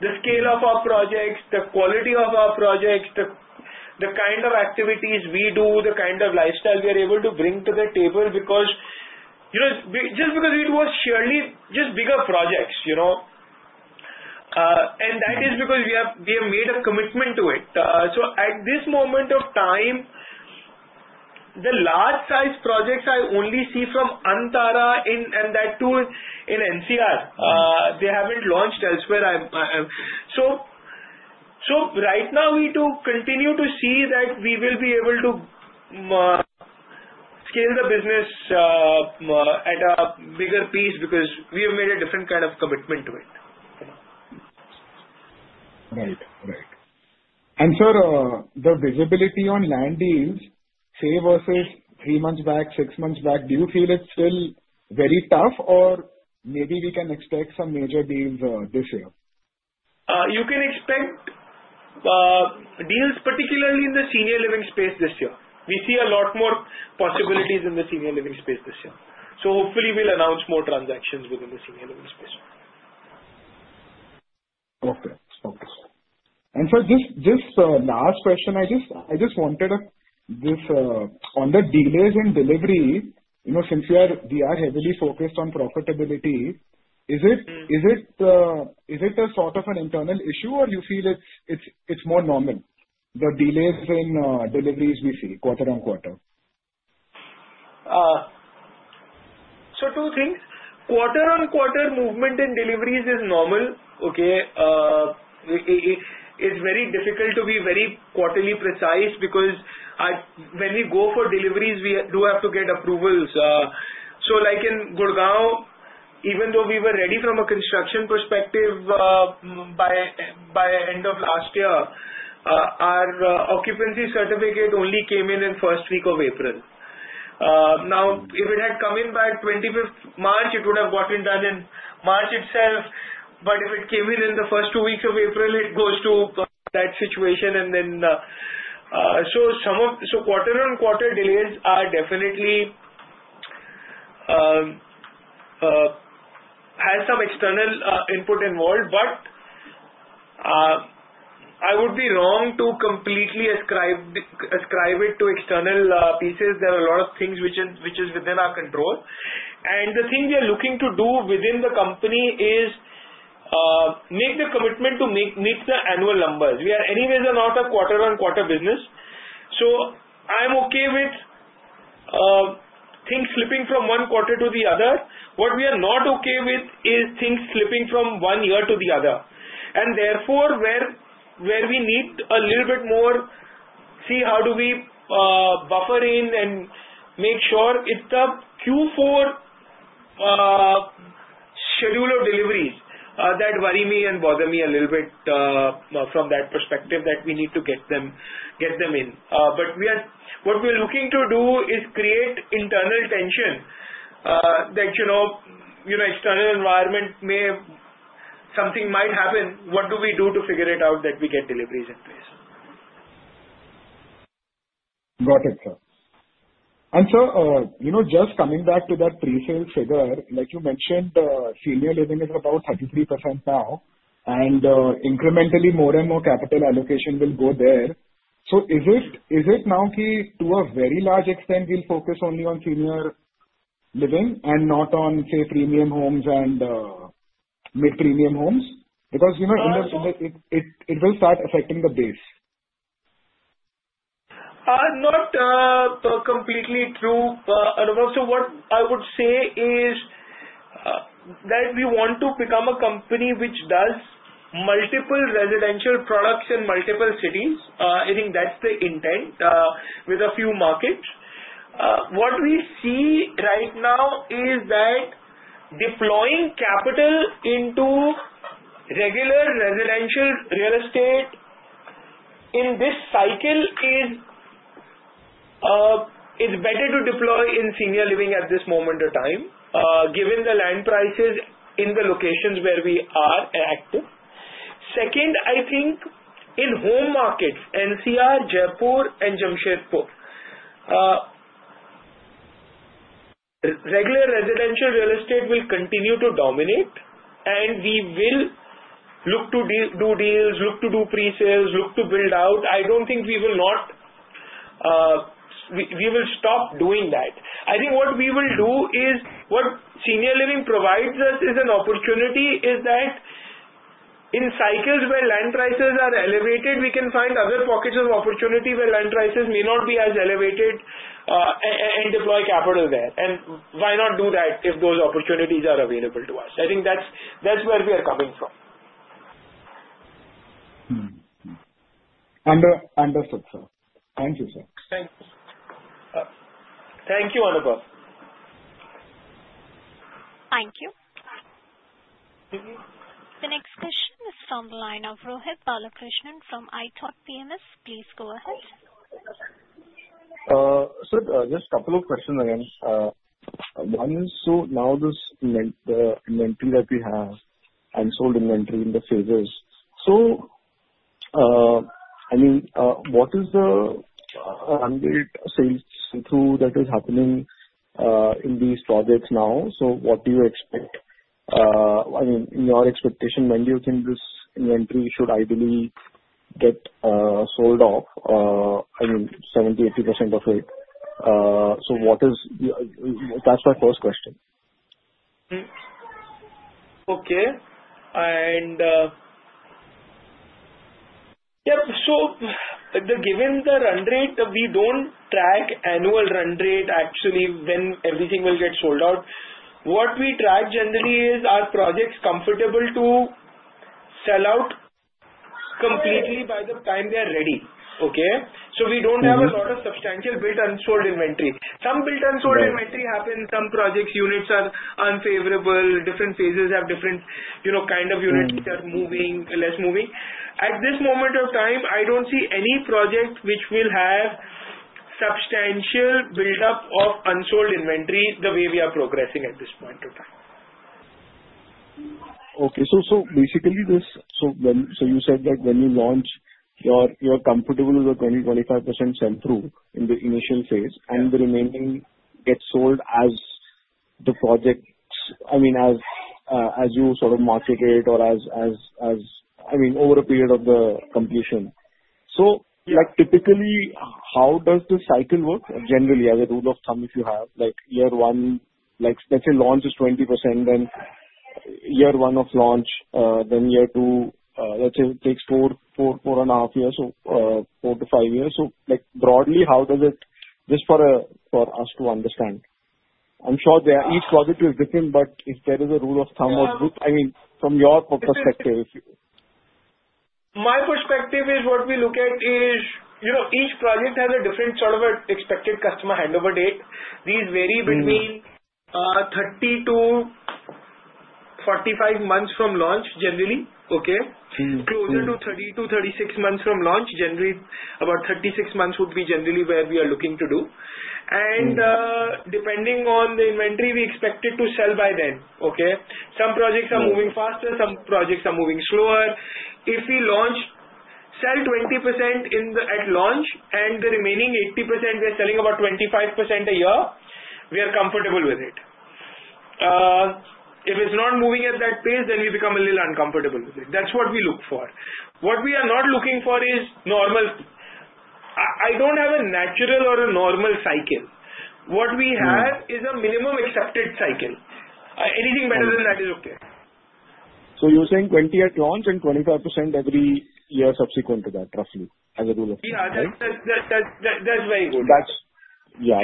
Speaker 5: The scale of our projects, the quality of our projects, the kind of activities we do, the kind of lifestyle we are able to bring to the table because just because we do a surely just bigger projects. And that is because we have made a commitment to it. So at this moment of time, the large-sized projects I only see from Antara and that too in NCR. They haven't launched elsewhere. So right now, we do continue to see that we will be able to scale the business at a bigger pace because we have made a different kind of commitment to it.
Speaker 7: Right. Right. And sir, the visibility on land deals, say versus three months back, six months back, do you feel it's still very tough or maybe we can expect some major deals this year?
Speaker 5: You can expect deals, particularly in the senior living space this year. We see a lot more possibilities in the senior living space this year. So hopefully, we'll announce more transactions within the senior living space.
Speaker 7: Okay. Okay. And, sir, just last question. I just wanted this on the delays in delivery, since we are heavily focused on profitability. Is it a sort of an internal issue or do you feel it's more normal, the delays in deliveries we see quarter-on-quarter?
Speaker 5: So two things. Quarter-on-quarter movement in deliveries is normal, okay? It's very difficult to be very quarterly precise because when we go for deliveries, we do have to get approvals. So like in Gurugram, even though we were ready from a construction perspective by end of last year, our occupancy certificate only came in in first week of April. Now, if it had come in by 25th March, it would have gotten done in March itself. But if it came in in the first two weeks of April, it goes to that situation. And then so quarter-on-quarter delays are definitely has some external input involved, but I would be wrong to completely ascribe it to external pieces. There are a lot of things which are within our control. The thing we are looking to do within the company is make the commitment to meet the annual numbers. We are anyways not a quarter-on-quarter business. I'm okay with things slipping from one quarter to the other. What we are not okay with is things slipping from one year to the other. Therefore, where we need a little bit more, see how do we buffer in and make sure it's a Q4 schedule of deliveries that worry me and bother me a little bit from that perspective that we need to get them in. What we are looking to do is create internal tension that external environment may something might happen. What do we do to figure it out that we get deliveries in place?
Speaker 7: Got it, sir, and sir, just coming back to that presale figure, like you mentioned, senior living is about 33% now, and incrementally, more and more capital allocation will go there. So is it now key to a very large extent we'll focus only on senior living and not on, say, premium homes and mid-premium homes? Because it will start affecting the base.
Speaker 5: Not completely true. So what I would say is that we want to become a company which does multiple residential products in multiple cities. I think that's the intent with a few markets. What we see right now is that deploying capital into regular residential real estate in this cycle is better to deploy in senior living at this moment in time, given the land prices in the locations where we are active. Second, I think in home markets, NCR, Jaipur, and Jamshedpur, regular residential real estate will continue to dominate, and we will look to do deals, look to do presales, look to build out. I don't think we will stop doing that. I think what we will do is what senior living provides us is an opportunity is that, in cycles where land prices are elevated, we can find other pockets of opportunity where land prices may not be as elevated and deploy capital there, and why not do that if those opportunities are available to us? I think that's where we are coming from.
Speaker 7: Understood, sir. Thank you, sir.
Speaker 5: Thank you. Thank you, Anubhav.
Speaker 1: Thank you. The next question is from the line of Rohit Balakrishnan from ithought PMS. Please go ahead.
Speaker 8: Sir, just a couple of questions again. One is, so now this inventory that we have and sold inventory in the phases, so I mean, what is the sales through that is happening in these projects now? So what do you expect? I mean, in your expectation, when do you think this inventory should ideally get sold off, I mean, 70%-80% of it? So, what is that? That's my first question.
Speaker 5: Okay. And yep, so given the run rate, we don't track annual run rate actually when everything will get sold out. What we track generally is are projects comfortable to sell out completely by the time they are ready, okay? So we don't have a lot of substantial built-and-sold inventory. Some built-and-sold inventory happens. Some project units are unfavorable. Different phases have different kind of units that are moving, less moving. At this moment of time, I don't see any project which will have substantial build-up of unsold inventory the way we are progressing at this point of time.
Speaker 8: Okay. So basically, so you said that when you launch, you are comfortable with a 20%-25% sell-through in the initial phase, and the remaining gets sold as the projects, I mean, as you sort of market it or as, I mean, over a period of the completion. So typically, how does the cycle work generally as a rule of thumb if you have year one? Let's say launch is 20%, then year one of launch, then year two, let's say it takes four and a half years, so four to five years. So broadly, how does it just for us to understand? I'm sure each project is different, but if there is a rule of thumb or I mean, from your perspective.
Speaker 5: My perspective is what we look at is each project has a different sort of expected customer handover date. These vary between 30-45 months from launch generally, okay? Closer to 30-36 months from launch, generally about 36 months would be generally where we are looking to do. And depending on the inventory, we expect it to sell by then, okay? Some projects are moving faster. Some projects are moving slower. If we launch sell 20% at launch and the remaining 80%, we are selling about 25% a year, we are comfortable with it. If it's not moving at that pace, then we become a little uncomfortable with it. That's what we look for. What we are not looking for is normal. I don't have a natural or a normal cycle. What we have is a minimum accepted cycle. Anything better than that is okay.
Speaker 8: So you're saying 20 at launch and 25% every year subsequent to that, roughly, as a rule of thumb?
Speaker 5: Yeah. That's very good.
Speaker 8: Yeah.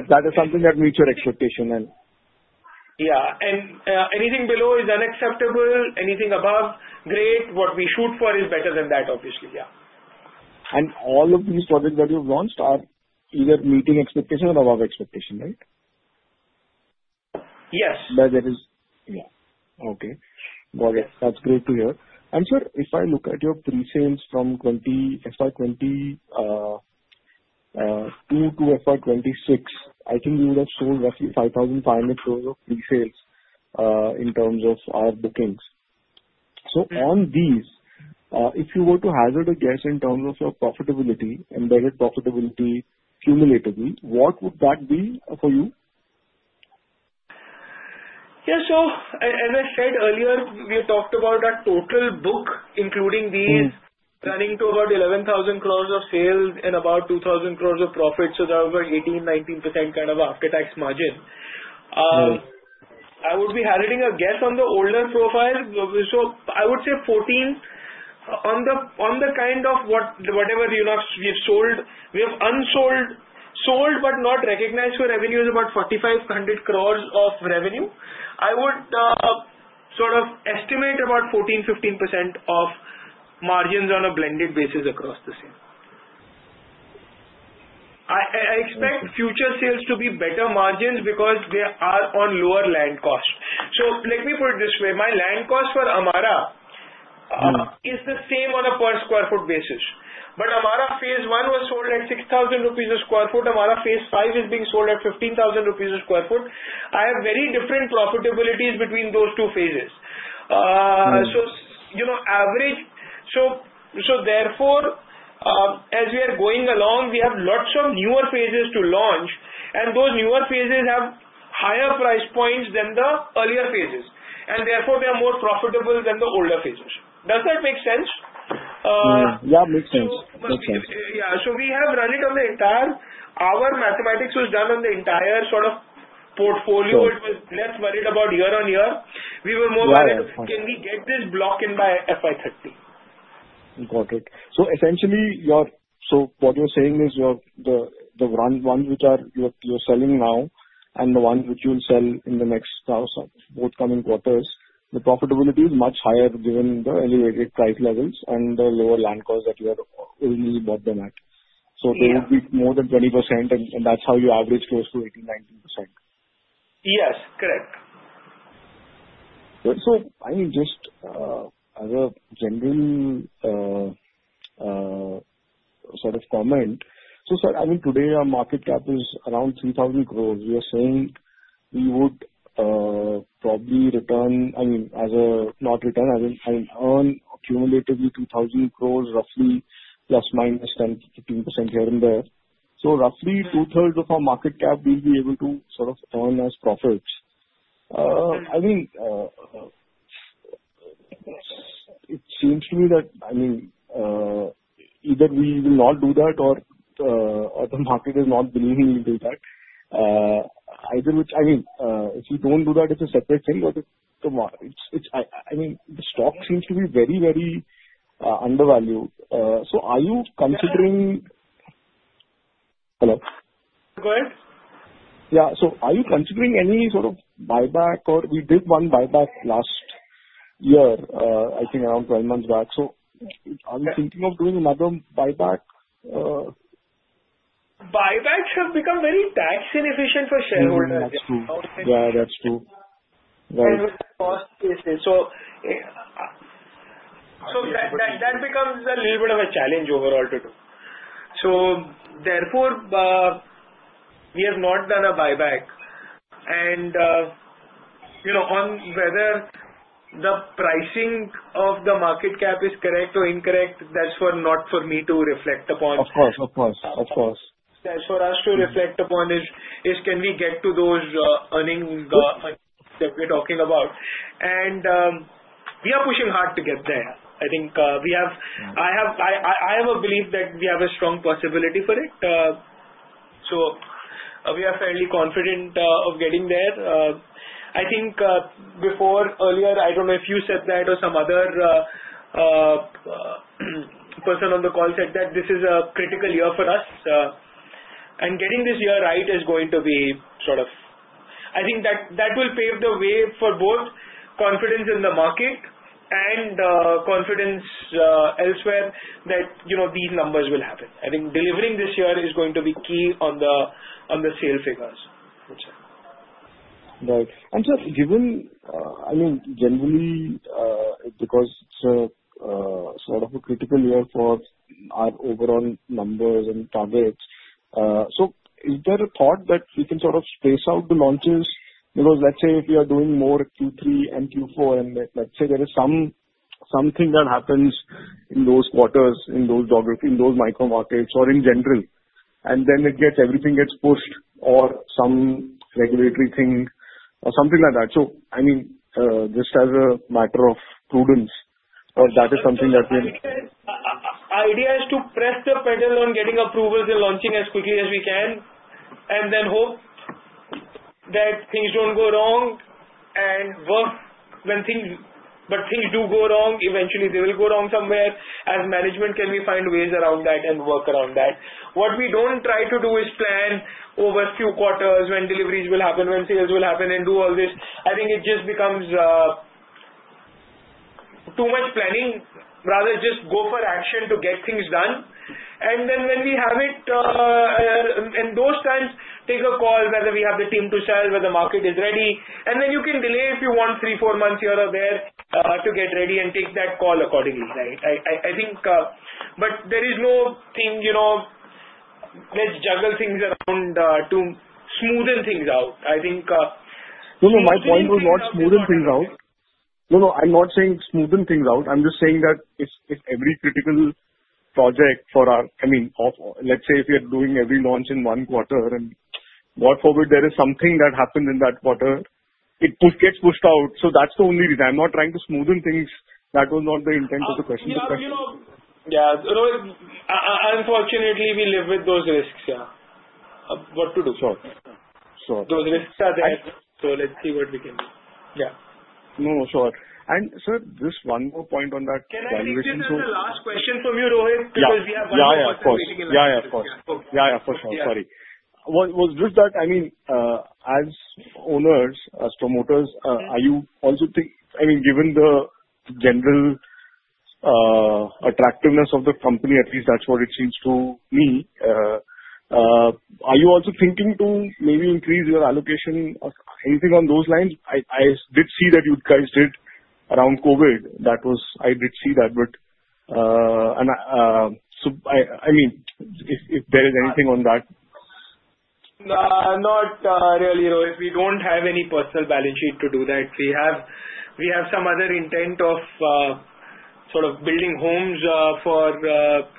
Speaker 8: That is something that meets your expectation and.
Speaker 5: Yeah, and anything below is unacceptable. Anything above, great. What we shoot for is better than that, obviously. Yeah.
Speaker 8: All of these projects that you've launched are either meeting expectations or above expectation, right?
Speaker 5: Yes.
Speaker 8: That is, yeah. Okay. Got it. That's great to hear. And sir, if I look at your presales from FY22 to FY26, I think you would have sold roughly 5,500 units of presales in terms of your bookings. So on these, if you were to hazard a guess in terms of your profitability, embedded profitability cumulatively, what would that be for you?
Speaker 5: Yeah. So as I said earlier, we have talked about our total book, including these running to about 11,000 crores of sales and about 2,000 crores of profit. So that was about 18-19% kind of after-tax margin. I would be hazarding a guess on the older profile. So I would say 14 on the kind of whatever we have sold. We have unsold, sold but not recognized for revenue is about 4,500 crores of revenue. I would sort of estimate about 14-15% of margins on a blended basis across the same. I expect future sales to be better margins because they are on lower land cost. So let me put it this way. My land cost for Amara is the same on a per sq ft basis. But Phase I was sold at 6,000 rupees a sq ft. Amara Phase V is being sold at 15,000 rupees a sq ft. I have very different profitabilities between those two phases. So therefore, as we are going along, we have lots of newer phases to launch, and those newer phases have higher price points than the earlier phases. And therefore, they are more profitable than the older phases. Does that make sense?
Speaker 8: Yeah. Makes sense. Makes sense.
Speaker 5: Yeah. So we have run it on the entire, our mathematics was done on the entire sort of portfolio. It was less worried about year on year. We were more worried, can we get this block in by FY30?
Speaker 8: Got it. So essentially, what you're saying is the ones which you're selling now and the ones which you'll sell in the next sort of forthcoming quarters, the profitability is much higher given the elevated price levels and the lower land costs that you had originally bought them at. So they would be more than 20%, and that's how you average close to 18%-19%.
Speaker 5: Yes. Correct.
Speaker 8: So I mean, just as a general sort of comment, so sir, I mean, today our market cap is around 3,000 crores. You are saying we would probably return, I mean, not return, I mean, earn cumulatively 2,000 crores roughly plus minus 10%-15% here and there. So roughly two-thirds of our market cap, we'll be able to sort of earn as profits. I mean, it seems to me that, I mean, either we will not do that or the market is not believing we'll do that. Either which, I mean, if we don't do that, it's a separate thing, but I mean, the stock seems to be very, very undervalued. So are you considering hello?
Speaker 5: Go ahead.
Speaker 8: Yeah. So are you considering any sort of buyback or we did one buyback last year, I think around 12 months back. So are you thinking of doing another buyback?
Speaker 5: Buybacks have become very tax-inefficient for shareholders.
Speaker 8: Yeah. That's true. Yeah. That's true. Right.
Speaker 5: And with the cost basis. So that becomes a little bit of a challenge overall to do. So therefore, we have not done a buyback. And on whether the pricing of the market cap is correct or incorrect, that's not for me to reflect upon.
Speaker 8: Of course.
Speaker 5: That's for us to reflect upon: is can we get to those earnings that we're talking about, and we are pushing hard to get there. I think we have a belief that we have a strong possibility for it, so we are fairly confident of getting there. I think before, earlier, I don't know if you said that or some other person on the call said that this is a critical year for us, and getting this year right is going to be sort of. I think that will pave the way for both confidence in the market and confidence elsewhere that these numbers will happen. I think delivering this year is going to be key on the sales figures.
Speaker 8: Right. And sir, given I mean, generally, because it's sort of a critical year for our overall numbers and targets, so is there a thought that we can sort of space out the launches? Because let's say if you are doing more Q3 and Q4, and let's say there is something that happens in those quarters, in those micro markets, or in general, and then everything gets pushed or some regulatory thing or something like that. So I mean, just as a matter of prudence, or that is something that we have.
Speaker 5: Idea is to press the pedal on getting approvals and launching as quickly as we can, and then hope that things don't go wrong. And when things do go wrong, eventually they will go wrong somewhere, as management can find ways around that and work around that. What we don't try to do is plan over a few quarters when deliveries will happen, when sales will happen, and do all this. I think it just becomes too much planning. Rather just go for action to get things done. And then when we have it, in those times, take a call whether we have the team to sell, whether the market is ready. And then you can delay if you want three, four months here or there to get ready and take that call accordingly, right? I think, but there is nothing. Let's juggle things around to smoothen things out. I think.
Speaker 8: No, no. My point was not smoothen things out. No, no. I'm not saying smoothen things out. I'm just saying that if every critical project for our, I mean, let's say if you're doing every launch in one quarter and God forbid there is something that happens in that quarter, it gets pushed out. So that's the only reason. I'm not trying to smoothen things. That was not the intent of the question.
Speaker 5: Yeah. Unfortunately, we live with those risks. Yeah. What to do?
Speaker 8: Sure. Sure.
Speaker 5: Those risks are there. So let's see what we can do.
Speaker 8: Yeah. No, no. Sure. And sir, just one more point on that valuation so.
Speaker 5: Can I just ask a last question from you, Rohit? Because we have one more question waiting in our team.
Speaker 8: Yeah. Yeah. Of course. Yeah. Yeah. For sure. Sorry. Was just that, I mean, as owners, as promoters, are you also think I mean, given the general attractiveness of the company, at least that's what it seems to me, are you also thinking to maybe increase your allocation or anything on those lines? I did see that you guys did around COVID. I did see that. But so I mean, if there is anything on that.
Speaker 5: Not really. If we don't have any personal balance sheet to do that. We have some other intent of sort of building homes for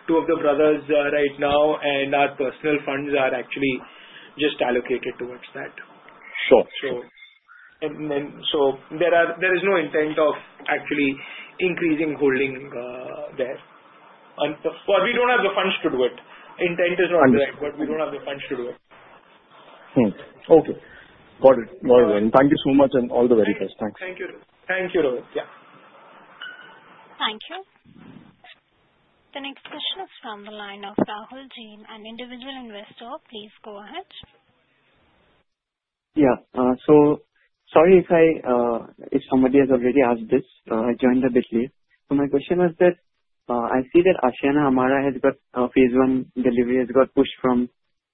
Speaker 5: two of the brothers right now, and our personal funds are actually just allocated towards that.
Speaker 8: Sure.
Speaker 5: So there is no intent of actually increasing holding there. But we don't have the funds to do it. Intent is not there, but we don't have the funds to do it.
Speaker 8: Okay. Got it. Got it. Thank you so much and all the very best. Thanks.
Speaker 5: Thank you. Thank you, Rohit. Yeah.
Speaker 1: Thank you. The next question is from the line of Rahul Jain, an individual investor. Please go ahead.
Speaker 9: Yeah. So sorry if somebody has already asked this. I joined a bit late. So my question was that I see that Ashiana Amara has Phase I delivery pushed from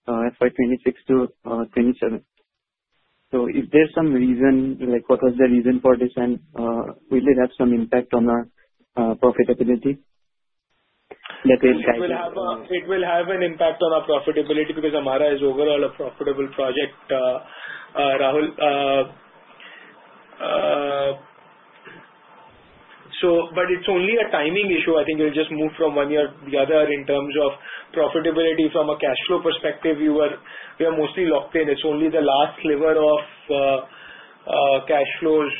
Speaker 9: FY26 to 27. So is there some reason, what was the reason for this, and will it have some impact on our profitability that they guided?
Speaker 5: It will have an impact on our profitability because Amara is overall a profitable project, Rahul. But it's only a timing issue. I think it'll just move from one year to the other in terms of profitability from a cash flow perspective. We are mostly locked in. It's only the last sliver of cash flows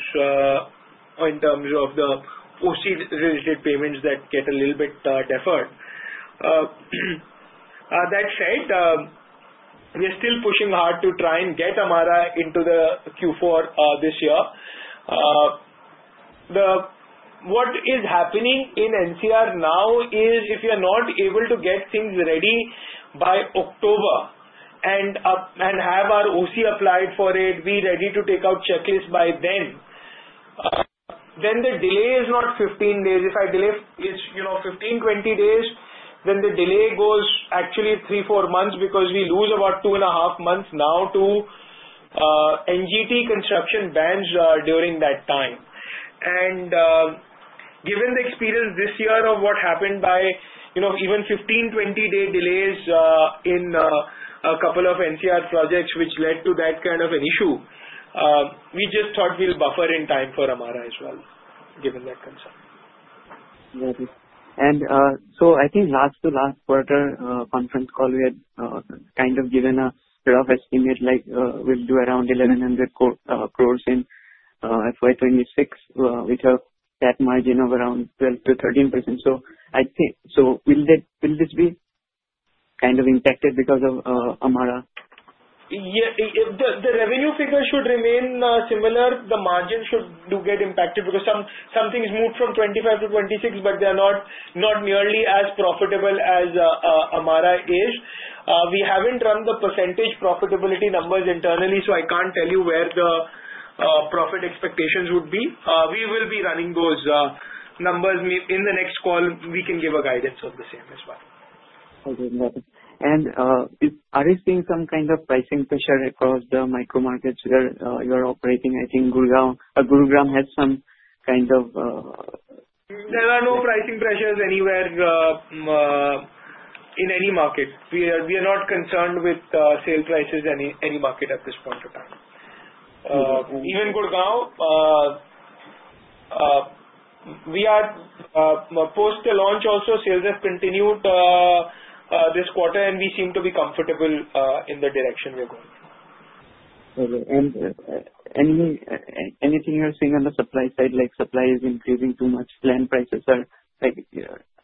Speaker 5: in terms of the OC-related payments that get a little bit deferred. That said, we are still pushing hard to try and get Amara into the Q4 this year. What is happening in NCR now is if we are not able to get things ready by October and have our OC applied for it, be ready to take out checklist by then, then the delay is not 15 days. If I delay 15, 20 days, then the delay goes actually three, four months because we lose about two and a half months now to NGT construction bans during that time. And given the experience this year of what happened by even 15, 20-day delays in a couple of NCR projects, which led to that kind of an issue, we just thought we'll buffer in time for Amara as well, given that concern.
Speaker 9: Got it. And so I think last to last quarter conference call, we had kind of given a rough estimate like we'll do around 1,100 crores in FY26 with a margin of around 12%-13%. So will this be kind of impacted because of Amara?
Speaker 5: Yeah. The revenue figure should remain similar. The margin should get impacted because some things moved from 25 to 26, but they are not nearly as profitable as Amara is. We haven't run the percentage profitability numbers internally, so I can't tell you where the profit expectations would be. We will be running those numbers. In the next call, we can give a guidance on the same as well.
Speaker 9: Okay. Got it. And are you seeing some kind of pricing pressure across the micro markets where you are operating? I think Gurugram has some kind of.
Speaker 5: There are no pricing pressures anywhere in any market. We are not concerned with sale prices in any market at this point of time. Even Gurugram, we are post the launch also, sales have continued this quarter, and we seem to be comfortable in the direction we're going.
Speaker 9: Okay. And anything you're seeing on the supply side, like supply is increasing too much, land prices are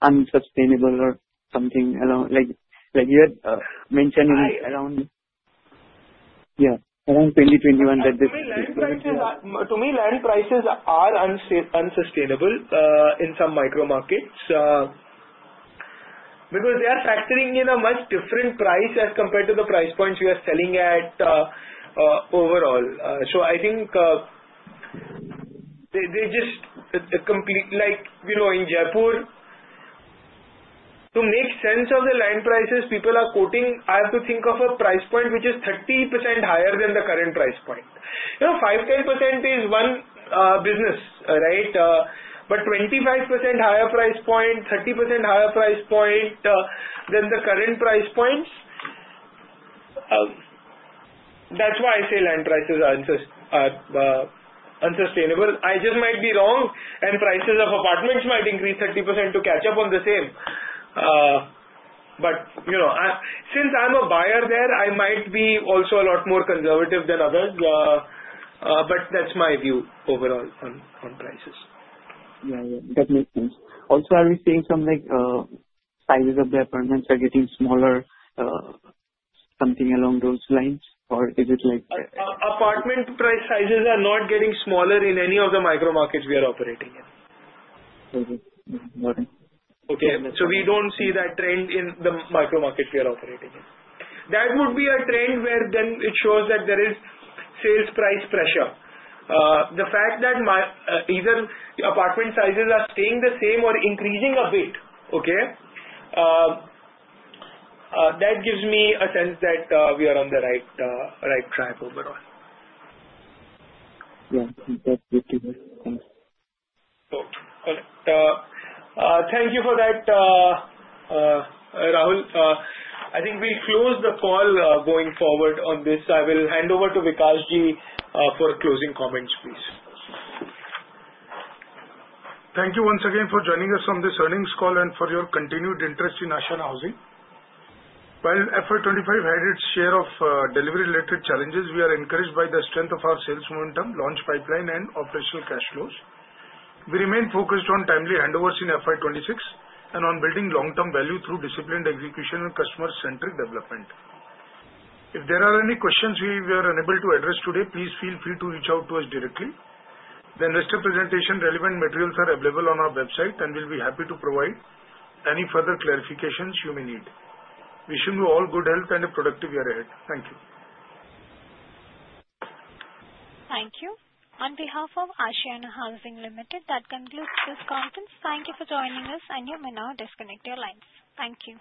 Speaker 9: unsustainable or something along like you had mentioned around?
Speaker 5: Yeah.
Speaker 9: Yeah. Around 2021 that this is increasing.
Speaker 5: To me, land prices are unsustainable in some micro markets because they are factoring in a much different price as compared to the price points we are selling at overall. So I think they just compete like in Jaipur, to make sense of the land prices, people are quoting. I have to think of a price point which is 30% higher than the current price point. 5%, 10% is one business, right? But 25% higher price point, 30% higher price point than the current price points, that's why I say land prices are unsustainable. I just might be wrong, and prices of apartments might increase 30% to catch up on the same. But since I'm a buyer there, I might be also a lot more conservative than others. But that's my view overall on prices.
Speaker 9: Yeah. Yeah. That makes sense. Also, are we seeing some sizes of the apartments are getting smaller, something along those lines, or is it like?
Speaker 5: Apartment price sizes are not getting smaller in any of the micro markets we are operating in.
Speaker 9: Okay. Got it.
Speaker 5: Okay. So we don't see that trend in the micro markets we are operating in. That would be a trend where then it shows that there is sales price pressure. The fact that either apartment sizes are staying the same or increasing a bit, okay, that gives me a sense that we are on the right track overall.
Speaker 9: Yeah. That's good to hear. Thanks.
Speaker 5: Okay. Thank you for that, Rahul. I think we'll close the call going forward on this. I will hand over to Vikash Ji for closing comments, please.
Speaker 3: Thank you once again for joining us on this earnings call and for your continued interest in Ashiana Housing. While FY25 had its share of delivery-related challenges, we are encouraged by the strength of our sales momentum, launch pipeline, and operational cash flows. We remain focused on timely handovers in FY26 and on building long-term value through disciplined execution and customer-centric development. If there are any questions we were unable to address today, please feel free to reach out to us directly. The investor presentation relevant materials are available on our website, and we'll be happy to provide any further clarifications you may need. Wishing you all good health and a productive year ahead. Thank you.
Speaker 1: Thank you. On behalf of Ashiana Housing Limited, that concludes this conference. Thank you for joining us, and you may now disconnect your lines. Thank you.